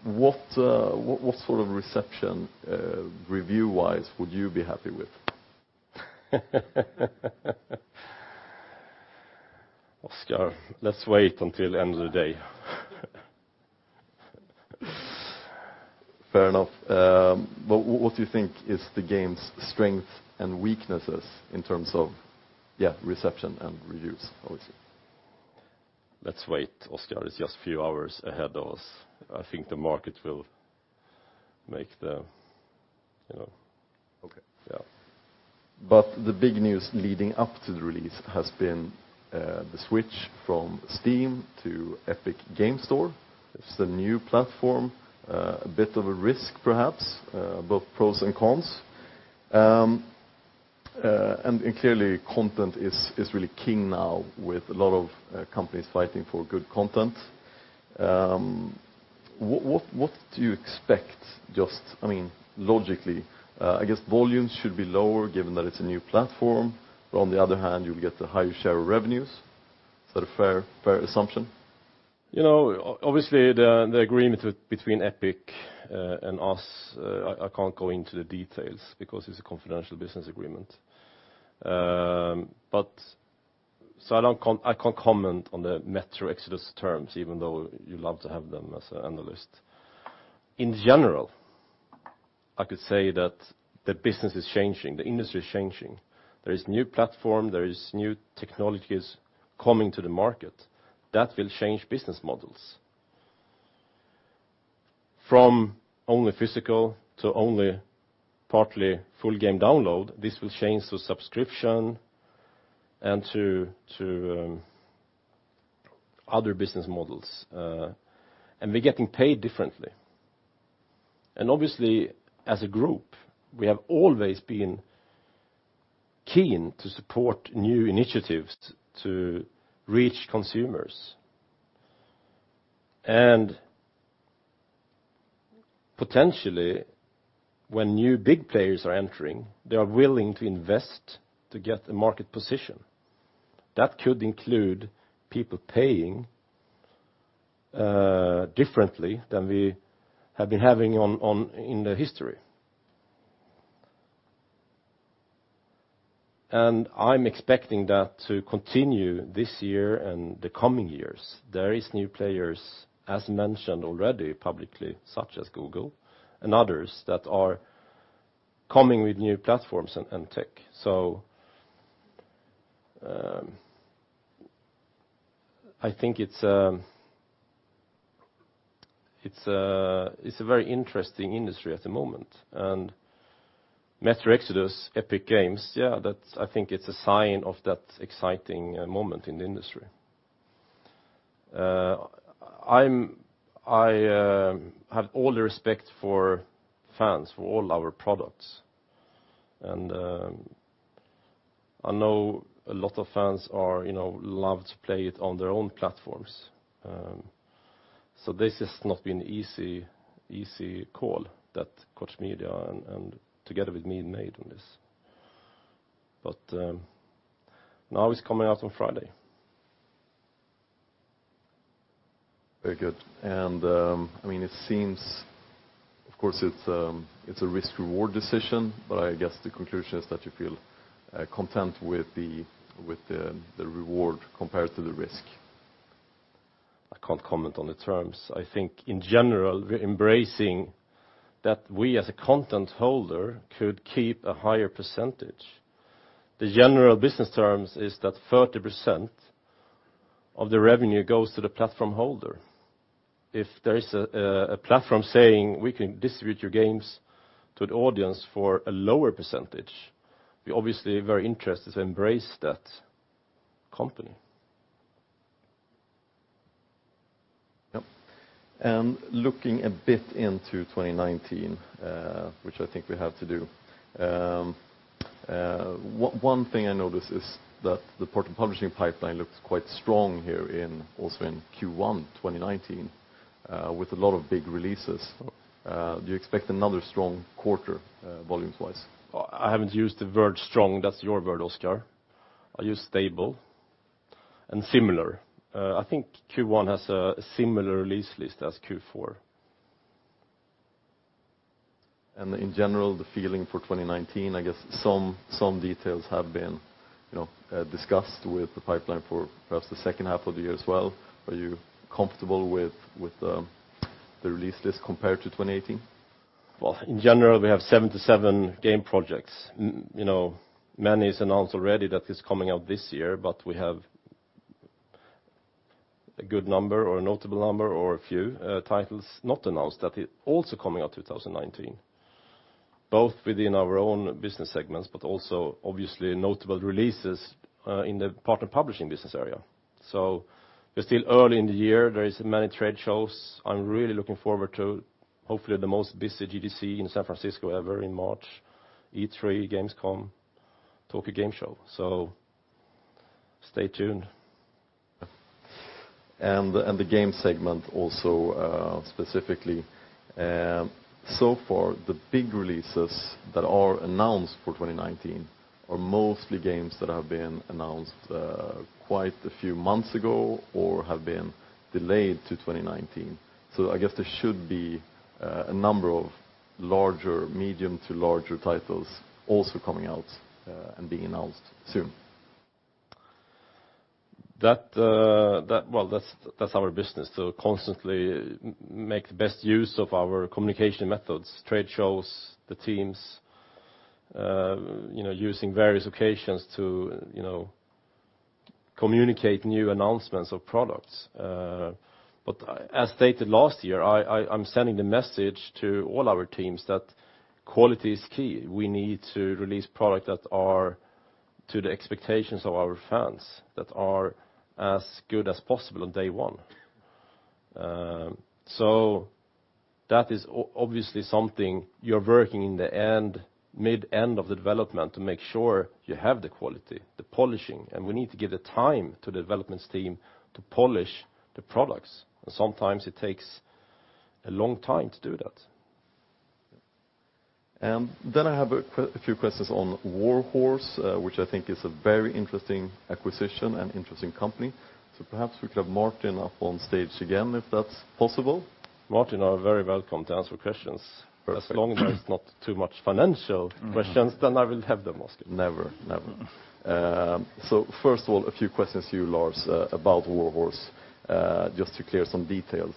What sort of reception, review-wise, would you be happy with? Oscar, let's wait until end of the day. Fair enough. What do you think is the game's strength and weaknesses in terms of reception and reviews, obviously? Let's wait. Oscar is just a few hours ahead of us. I think the market will make the Okay. Yeah. The big news leading up to the release has been the switch from Steam to Epic Games Store. It's the new platform. A bit of a risk, perhaps. Both pros and cons. Clearly content is really king now with a lot of companies fighting for good content. What do you expect just, logically, I guess volumes should be lower given that it's a new platform, but on the other hand, you'll get a higher share of revenues. Is that a fair assumption? Obviously, the agreement between Epic and us, I can't go into the details because it's a confidential business agreement. I can't comment on the Metro Exodus terms, even though you'd love to have them as an analyst. In general, I could say that the business is changing, the industry is changing. There is new platform, there is new technologies coming to the market. That will change business models. From only physical to only partly full game download, this will change to subscription and to other business models. We're getting paid differently. Obviously, as a group, we have always been keen to support new initiatives to reach consumers. Potentially, when new big players are entering, they are willing to invest to get a market position. That could include people paying differently than we have been having in the history. I'm expecting that to continue this year and the coming years. There is new players, as mentioned already publicly, such as Google and others, that are coming with new platforms and tech. I think it's a very interesting industry at the moment. "Metro Exodus," Epic Games, yeah, I think it's a sign of that exciting moment in the industry. I have all the respect for fans for all our products, and I know a lot of fans love to play it on their own platforms. This has not been easy call that Koch Media and together with me made on this. Now it's coming out on Friday. Very good. It seems, of course, it's a risk/reward decision, I guess the conclusion is that you feel content with the reward compared to the risk. I can't comment on the terms. I think in general, we're embracing that we, as a content holder, could keep a higher percentage. The general business terms is that 30% of the revenue goes to the platform holder. If there is a platform saying, "We can distribute your games to an audience for a lower percentage," we're obviously very interested to embrace that company. Yep. Looking a bit into 2019, which I think we have to do, one thing I noticed is that the publishing pipeline looks quite strong here also in Q1 2019, with a lot of big releases. Do you expect another strong quarter, volume-wise? I haven't used the word strong. That's your word, Oscar. I use stable and similar. I think Q1 has a similar release list as Q4. In general, the feeling for 2019, I guess some details have been discussed with the pipeline for, perhaps, the second half of the year as well. Are you comfortable with the release list compared to 2018? Well, in general, we have 77 game projects. Many is announced already that is coming out this year, but we have a good number or a notable number, or a few titles not announced that are also coming out in 2019, both within our own business segments, but also obviously notable releases in the partner publishing business area. We're still early in the year. There is many trade shows. I'm really looking forward to, hopefully, the most busy GDC in San Francisco ever in March, E3, gamescom, Tokyo Game Show. Stay tuned. The game segment also, specifically. So far, the big releases that are announced for 2019 are mostly games that have been announced quite a few months ago or have been delayed to 2019. I guess there should be a number of medium to larger titles also coming out and being announced soon. That is our business: to constantly make the best use of our communication methods, trade shows, the teams, using various occasions to communicate new announcements of products. As stated last year, I am sending the message to all our teams that quality is key. We need to release product that are to the expectations of our fans, that are as good as possible on day one. That is obviously something you are working in the mid, end of the development to make sure you have the quality, the polishing, and we need to give the time to the developments team to polish the products. Sometimes it takes a long time to do that. I have a few questions on Warhorse, which I think is a very interesting acquisition and interesting company. Perhaps we could have Martin up on stage again, if that is possible. Martin are very welcome to answer questions. As long as there is not too much financial questions, I will have them asked. Never. First of all, a few questions to you, Lars, about Warhorse, just to clear some details.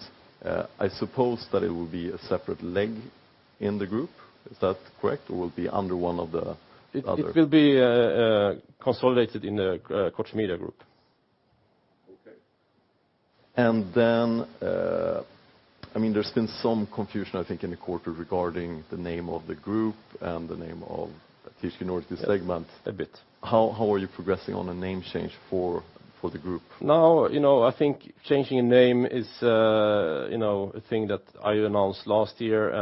I suppose that it will be a separate leg in the group. Is that correct? Will it be under one of the other- It will be consolidated in the Koch Media group. Okay. Then there's been some confusion, I think, in the quarter regarding the name of the group and the name of THQ Nordic segment. A bit. How are you progressing on a name change for the group? I think changing a name is a thing that I announced last year.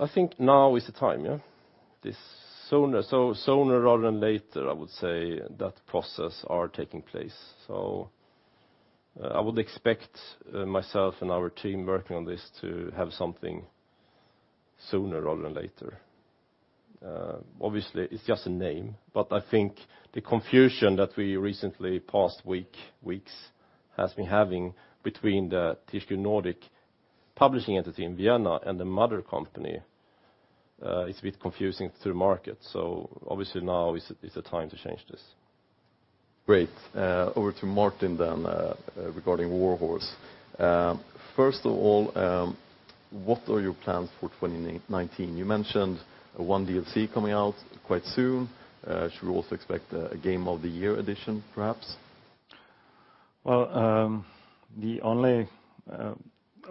I think now is the time. Sooner rather than later, I would say, that process is taking place. I would expect myself and our team working on this to have something sooner rather than later. Obviously, it's just a name, but I think the confusion that we recently, past weeks, has been having between the THQ Nordic publishing entity in Vienna and the mother company, it's a bit confusing to the market. Obviously now is the time to change this. Great. Over to Martin then, regarding Warhorse. First of all, what are your plans for 2019? You mentioned one DLC coming out quite soon. Should we also expect a game of the year edition, perhaps? Well, the only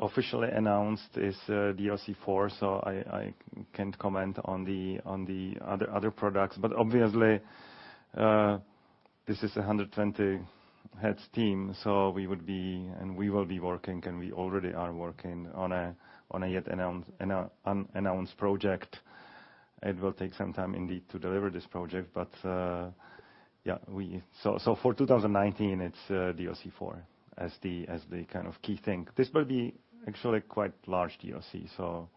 officially announced is DLC four, so I can't comment on the other products. Obviously, this is 120 heads team, so we will be working, and we already are working on a yet unannounced project. It will take some time indeed to deliver this project, but yeah. For 2019, it's DLC four as the kind of key thing. This will be actually quite large DLC.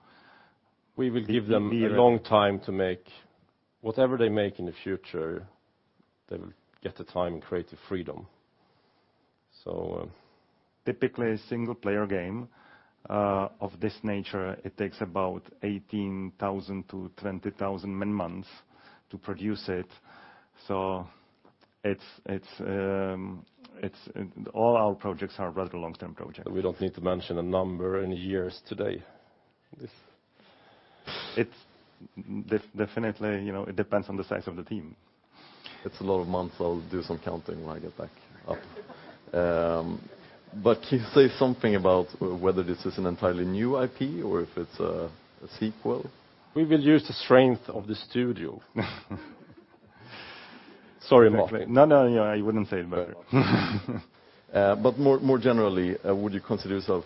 We will give them a long time to make. Whatever they make in the future, they will get the time and creative freedom. Typically, a single-player game of this nature, it takes about 18,000 to 20,000 man months to produce it. All our projects are rather long-term projects. We don't need to mention a number and years today. This It definitely depends on the size of the team. It's a lot of months. I'll do some counting when I get back up. Can you say something about whether this is an entirely new IP or if it's a sequel? We will use the strength of the studio. Sorry, Martin. I wouldn't say it better. More generally, would you consider yourself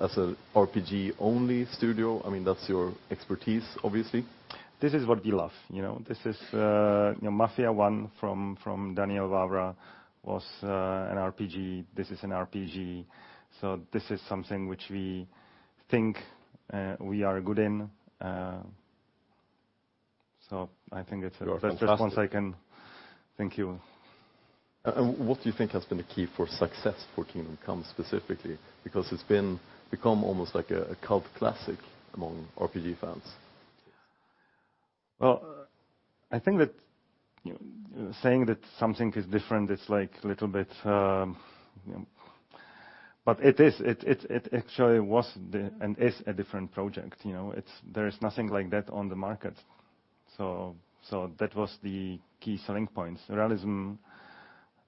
as a RPG-only studio? I mean, that's your expertise, obviously. This is what we love. Mafia 1 from Daniel Vávra was an RPG. This is an RPG. This is something which we think we are good in. You are fantastic Just one second. Thank you. What do you think has been the key for success for Kingdom Come specifically? It's become almost like a cult classic among RPG fans. Well, I think that saying that something is different, it's like a little bit. It is. It actually was and is a different project. There is nothing like that on the market. That was the key selling points. Realism,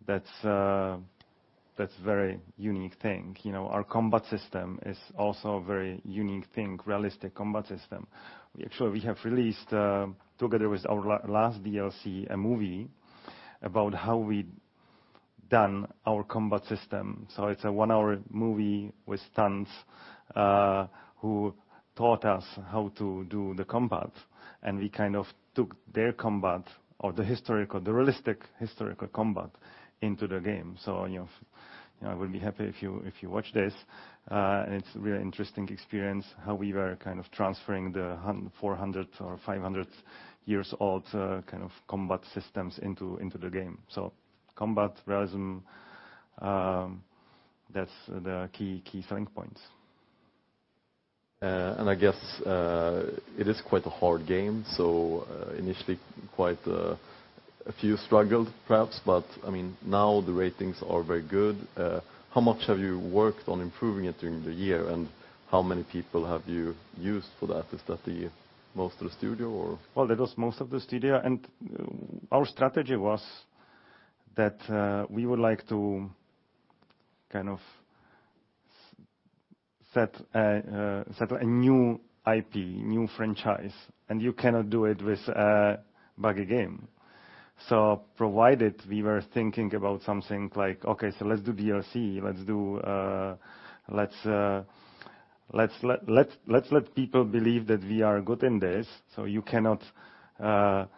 that's very unique thing. Our combat system is also a very unique thing, realistic combat system. Actually, we have released, together with our last DLC, a movie about how we done our combat system. It's a one-hour movie with stunts, who taught us how to do the combat, and we kind of took their combat, or the realistic historical combat into the game. I would be happy if you watch this. It's a real interesting experience, how we were kind of transferring the 400 or 500-years-old kind of combat systems into the game. Combat, realism, that's the key selling points. I guess it is quite a hard game, initially quite a few struggled, perhaps. Now the ratings are very good. How much have you worked on improving it during the year, and how many people have you used for that? Is that the most of the studio? Well, it was most of the studio. Our strategy was that we would like to kind of set a new IP, new franchise, and you cannot do it with a buggy game. Provided we were thinking about something like, okay, let's do DLC, let's let people believe that we are good in this, you cannot leave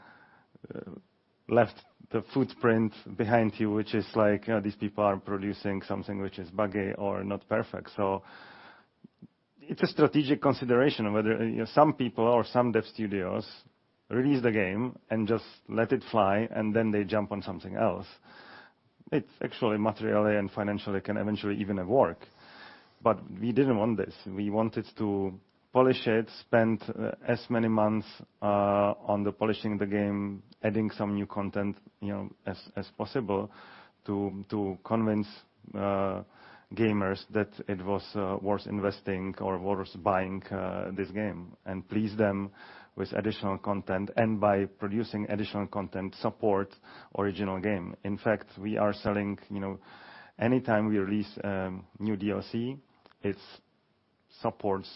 the footprint behind you, which is like these people are producing something which is buggy or not perfect. It's a strategic consideration of whether some people or some dev studios release the game and just let it fly, then they jump on something else. It actually materially and financially can eventually even work. We didn't want this. We wanted to polish it, spend as many months on the polishing the game, adding some new content as possible to convince gamers that it was worth investing or worth buying this game, and please them with additional content, by producing additional content, support original game. In fact, anytime we release a new DLC, it supports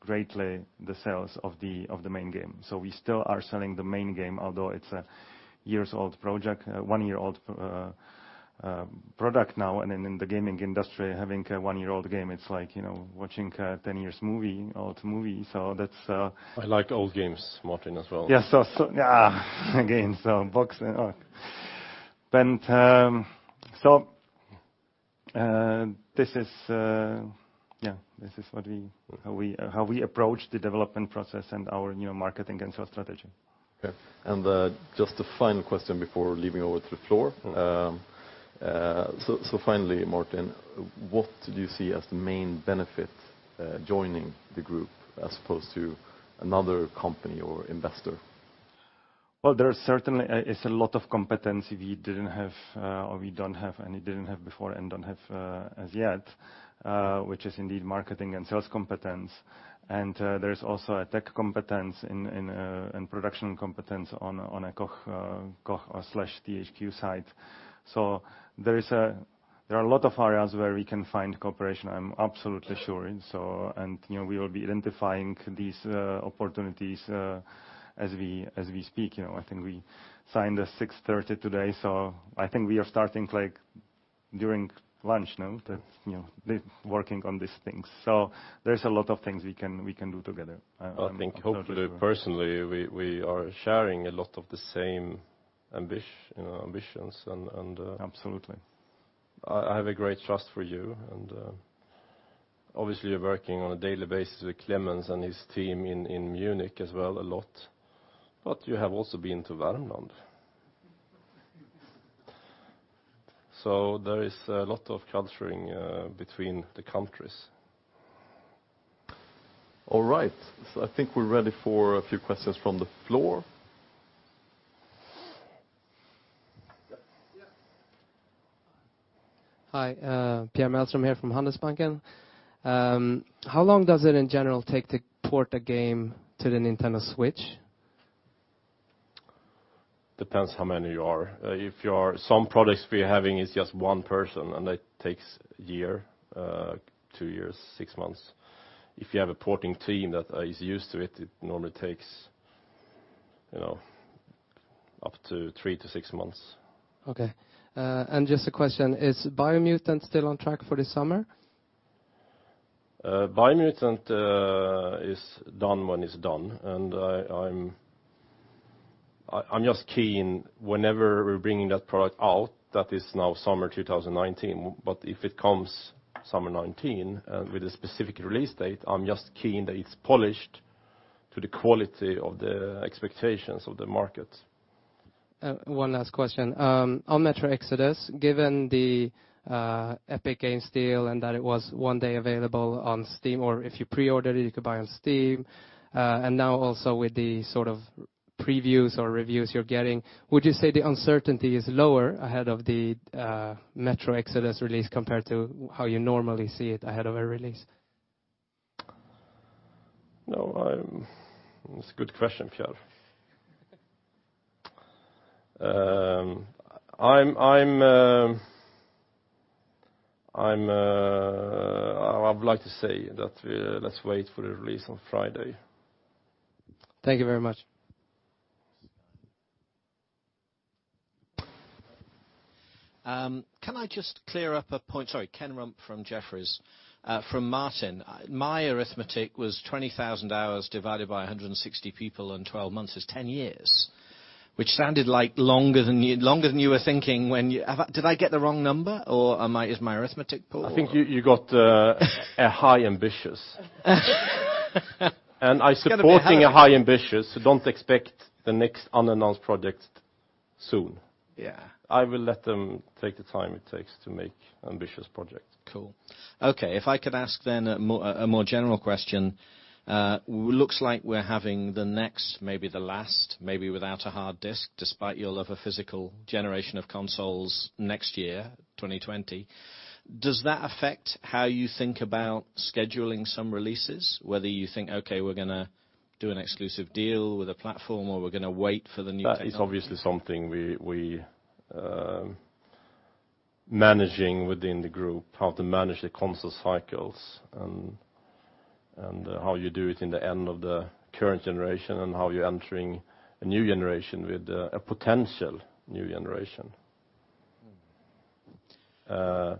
greatly the sales of the main game. We still are selling the main game, although it's a years old project, one-year-old product now. In the gaming industry, having a one-year-old game, it's like watching a 10 years old movie. I like old games, Martin, as well. Yeah, this is how we approach the development process and our new marketing and sales strategy. Okay. Just a final question before leaving over to the floor. Finally, Martin, what do you see as the main benefit joining the group as opposed to another company or investor? Well, there is certainly a lot of competence we didn't have before and don't have as yet, which is indeed marketing and sales competence, and there is also a tech competence and production competence on a Koch/THQ side. There are a lot of areas where we can find cooperation, I'm absolutely sure. Sure. We will be identifying these opportunities as we speak. I think we signed at 6:30 P.M. today, I think we are starting during lunch now. Yes working on these things. There's a lot of things we can do together. I'm absolutely sure. I think hopefully, personally, we are sharing a lot of the same ambitions. Absolutely I have a great trust for you and obviously you're working on a daily basis with Klemens and his team in Munich as well a lot, but you have also been to Värmland. There is a lot of culturing between the countries. All right. I think we're ready for a few questions from the floor. Yes. Hi, Pierre Mellström here from Handelsbanken. How long does it in general take to port a game to the Nintendo Switch? Depends how many you are. Some products we're having, it's just one person, and that takes a year, two years, six months. If you have a porting team that is used to it normally takes up to 3-6 months. Okay. Just a question, is Biomutant still on track for this summer? Biomutant is done when it's done, and I'm just keen whenever we're bringing that product out, that is now summer 2019, but if it comes summer 2019, and with a specific release date, I'm just keen that it's polished to the quality of the expectations of the market. One last question. On Metro Exodus, given the Epic Games deal and that it was one day available on Steam, or if you pre-ordered it, you could buy on Steam, and now also with the sort of previews or reviews you're getting, would you say the uncertainty is lower ahead of the Metro Exodus release compared to how you normally see it ahead of a release? No. It's a good question, Pierre. I'd like to say that let's wait for the release on Friday. Thank you very much. Can I just clear up a point? Sorry, Ken Rumph from Jefferies. From Martin, my arithmetic was 20,000 hours divided by 160 people and 12 months is 10 years, which sounded like longer than you were thinking. Did I get the wrong number or is my arithmetic poor? I think you got a high ambitious. Got to be high. I supporting a high ambitious, so don't expect the next unannounced project soon. Yeah. I will let them take the time it takes to make ambitious project. Cool. Okay. I could ask then a more general question. Looks like we're having the next, maybe the last, maybe without a hard disk, despite your love of physical generation of consoles next year, 2020. Does that affect how you think about scheduling some releases, whether you think, "Okay, we're going to do an exclusive deal with a platform, or we're going to wait for the new technology? That is obviously something we managing within the group, how to manage the console cycles and how you do it in the end of the current generation and how you're entering a new generation with a potential new generation. I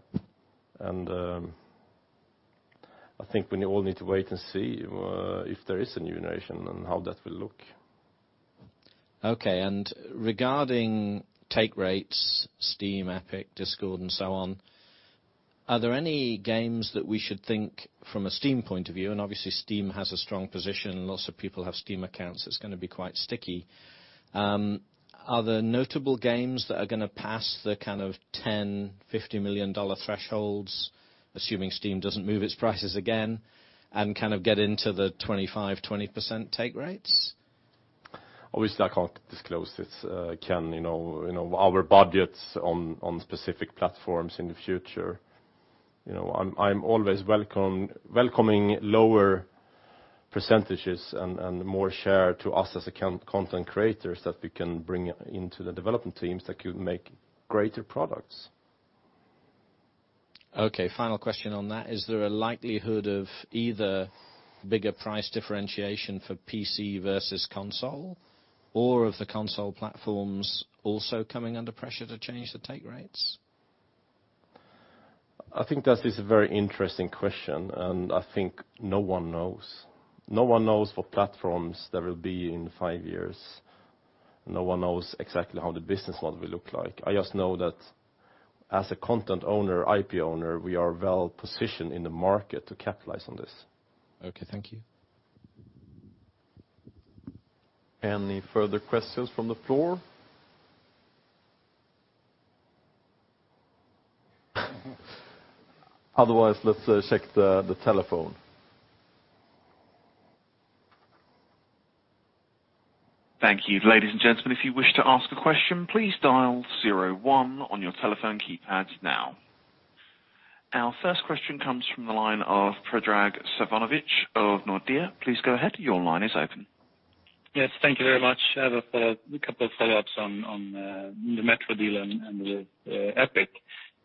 think we all need to wait and see if there is a new generation and how that will look. Okay. Regarding take rates, Steam, Epic, Discord, and so on, are there any games that we should think from a Steam point of view, obviously Steam has a strong position, lots of people have Steam accounts, it's going to be quite sticky. Are there notable games that are going to pass the kind of 10, SEK 50 million thresholds, assuming Steam doesn't move its prices again, and kind of get into the 25%, 20% take rates? Obviously, I can't disclose it, Ken, our budgets on specific platforms in the future. I'm always welcoming lower percentages and more share to us as a content creators that we can bring into the development teams that could make greater products. Okay, final question on that. Is there a likelihood of either bigger price differentiation for PC versus console or of the console platforms also coming under pressure to change the take rates? I think that is a very interesting question. I think no one knows. No one knows what platforms there will be in five years. No one knows exactly how the business model will look like. I just know that as a content owner, IP owner, we are well-positioned in the market to capitalize on this. Okay. Thank you. Any further questions from the floor? Otherwise, let's check the telephone. Thank you. Ladies and gentlemen, if you wish to ask a question, please dial zero one on your telephone keypads now. Our first question comes from the line of Predrag Savanovic of Nordea. Please go ahead. Your line is open. Yes. Thank you very much. I have a couple of follow-ups on the Metro deal and with Epic.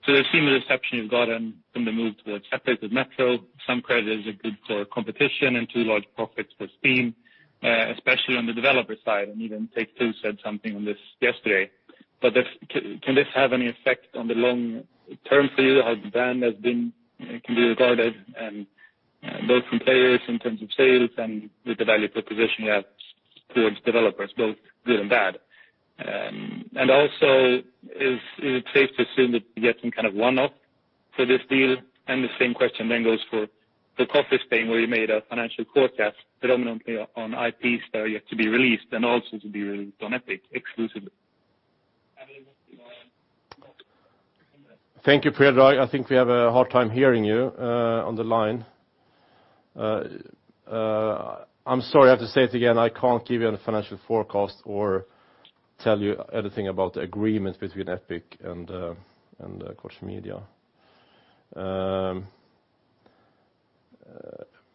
The seamless reception you've gotten from the move towards Epic with Metro, some credit is a good competition and too large profits for Steam, especially on the developer side, and even Take-Two said something on this yesterday. Can this have any effect on the long term for you, how the brand can be regarded, and both from players in terms of sales and with the value proposition you have towards developers, both good and bad? Also, is it safe to assume that you get some kind of one-off for this deal? The same question then goes for Coffee Stain, where you made a financial forecast predominantly on IPs that are yet to be released and also to be released on Epic exclusively. Thank you, Predrag. I think we have a hard time hearing you on the line. I am sorry, I have to say it again. I cannot give you any financial forecast or tell you anything about the agreement between Epic and Coffee Stain.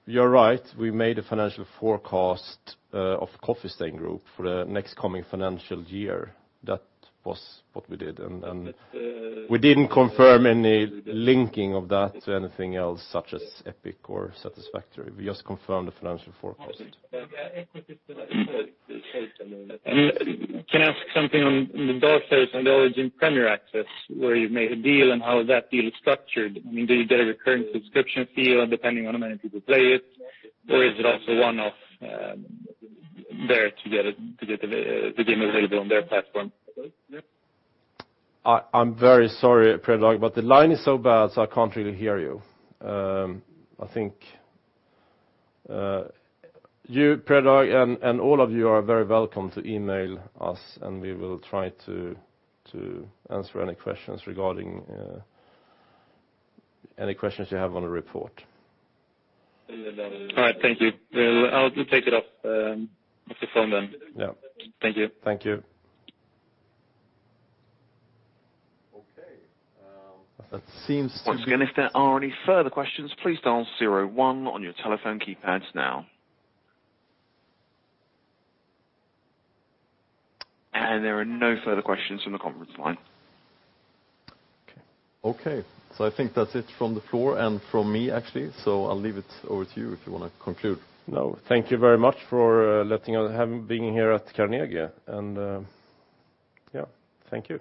You are right, we made a financial forecast of Coffee Stain Group for the next coming financial year. That was what we did, and we did not confirm any linking of that to anything else such as Epic or Satisfactory. We just confirmed the financial forecast. Can I ask something on the Darksider and the Origin Access Premier, where you have made a deal and how that deal is structured? I mean, do you get a recurring subscription fee depending on how many people play it? Or is it also one-off there to get the game available on their platform? I am very sorry, Predrag, the line is so bad, I cannot really hear you. I think you, Predrag, and all of you are very welcome to email us. We will try to answer any questions you have on the report. All right. Thank you. I will take it off the phone. Yeah. Thank you. Thank you. Okay. Seems again, if there are any further questions, please dial zero one on your telephone keypads now. There are no further questions from the conference line. Okay. I think that's it from the floor and from me, actually. I'll leave it over to you if you want to conclude. Thank you very much for letting us being here at Carnegie. Yeah, thank you.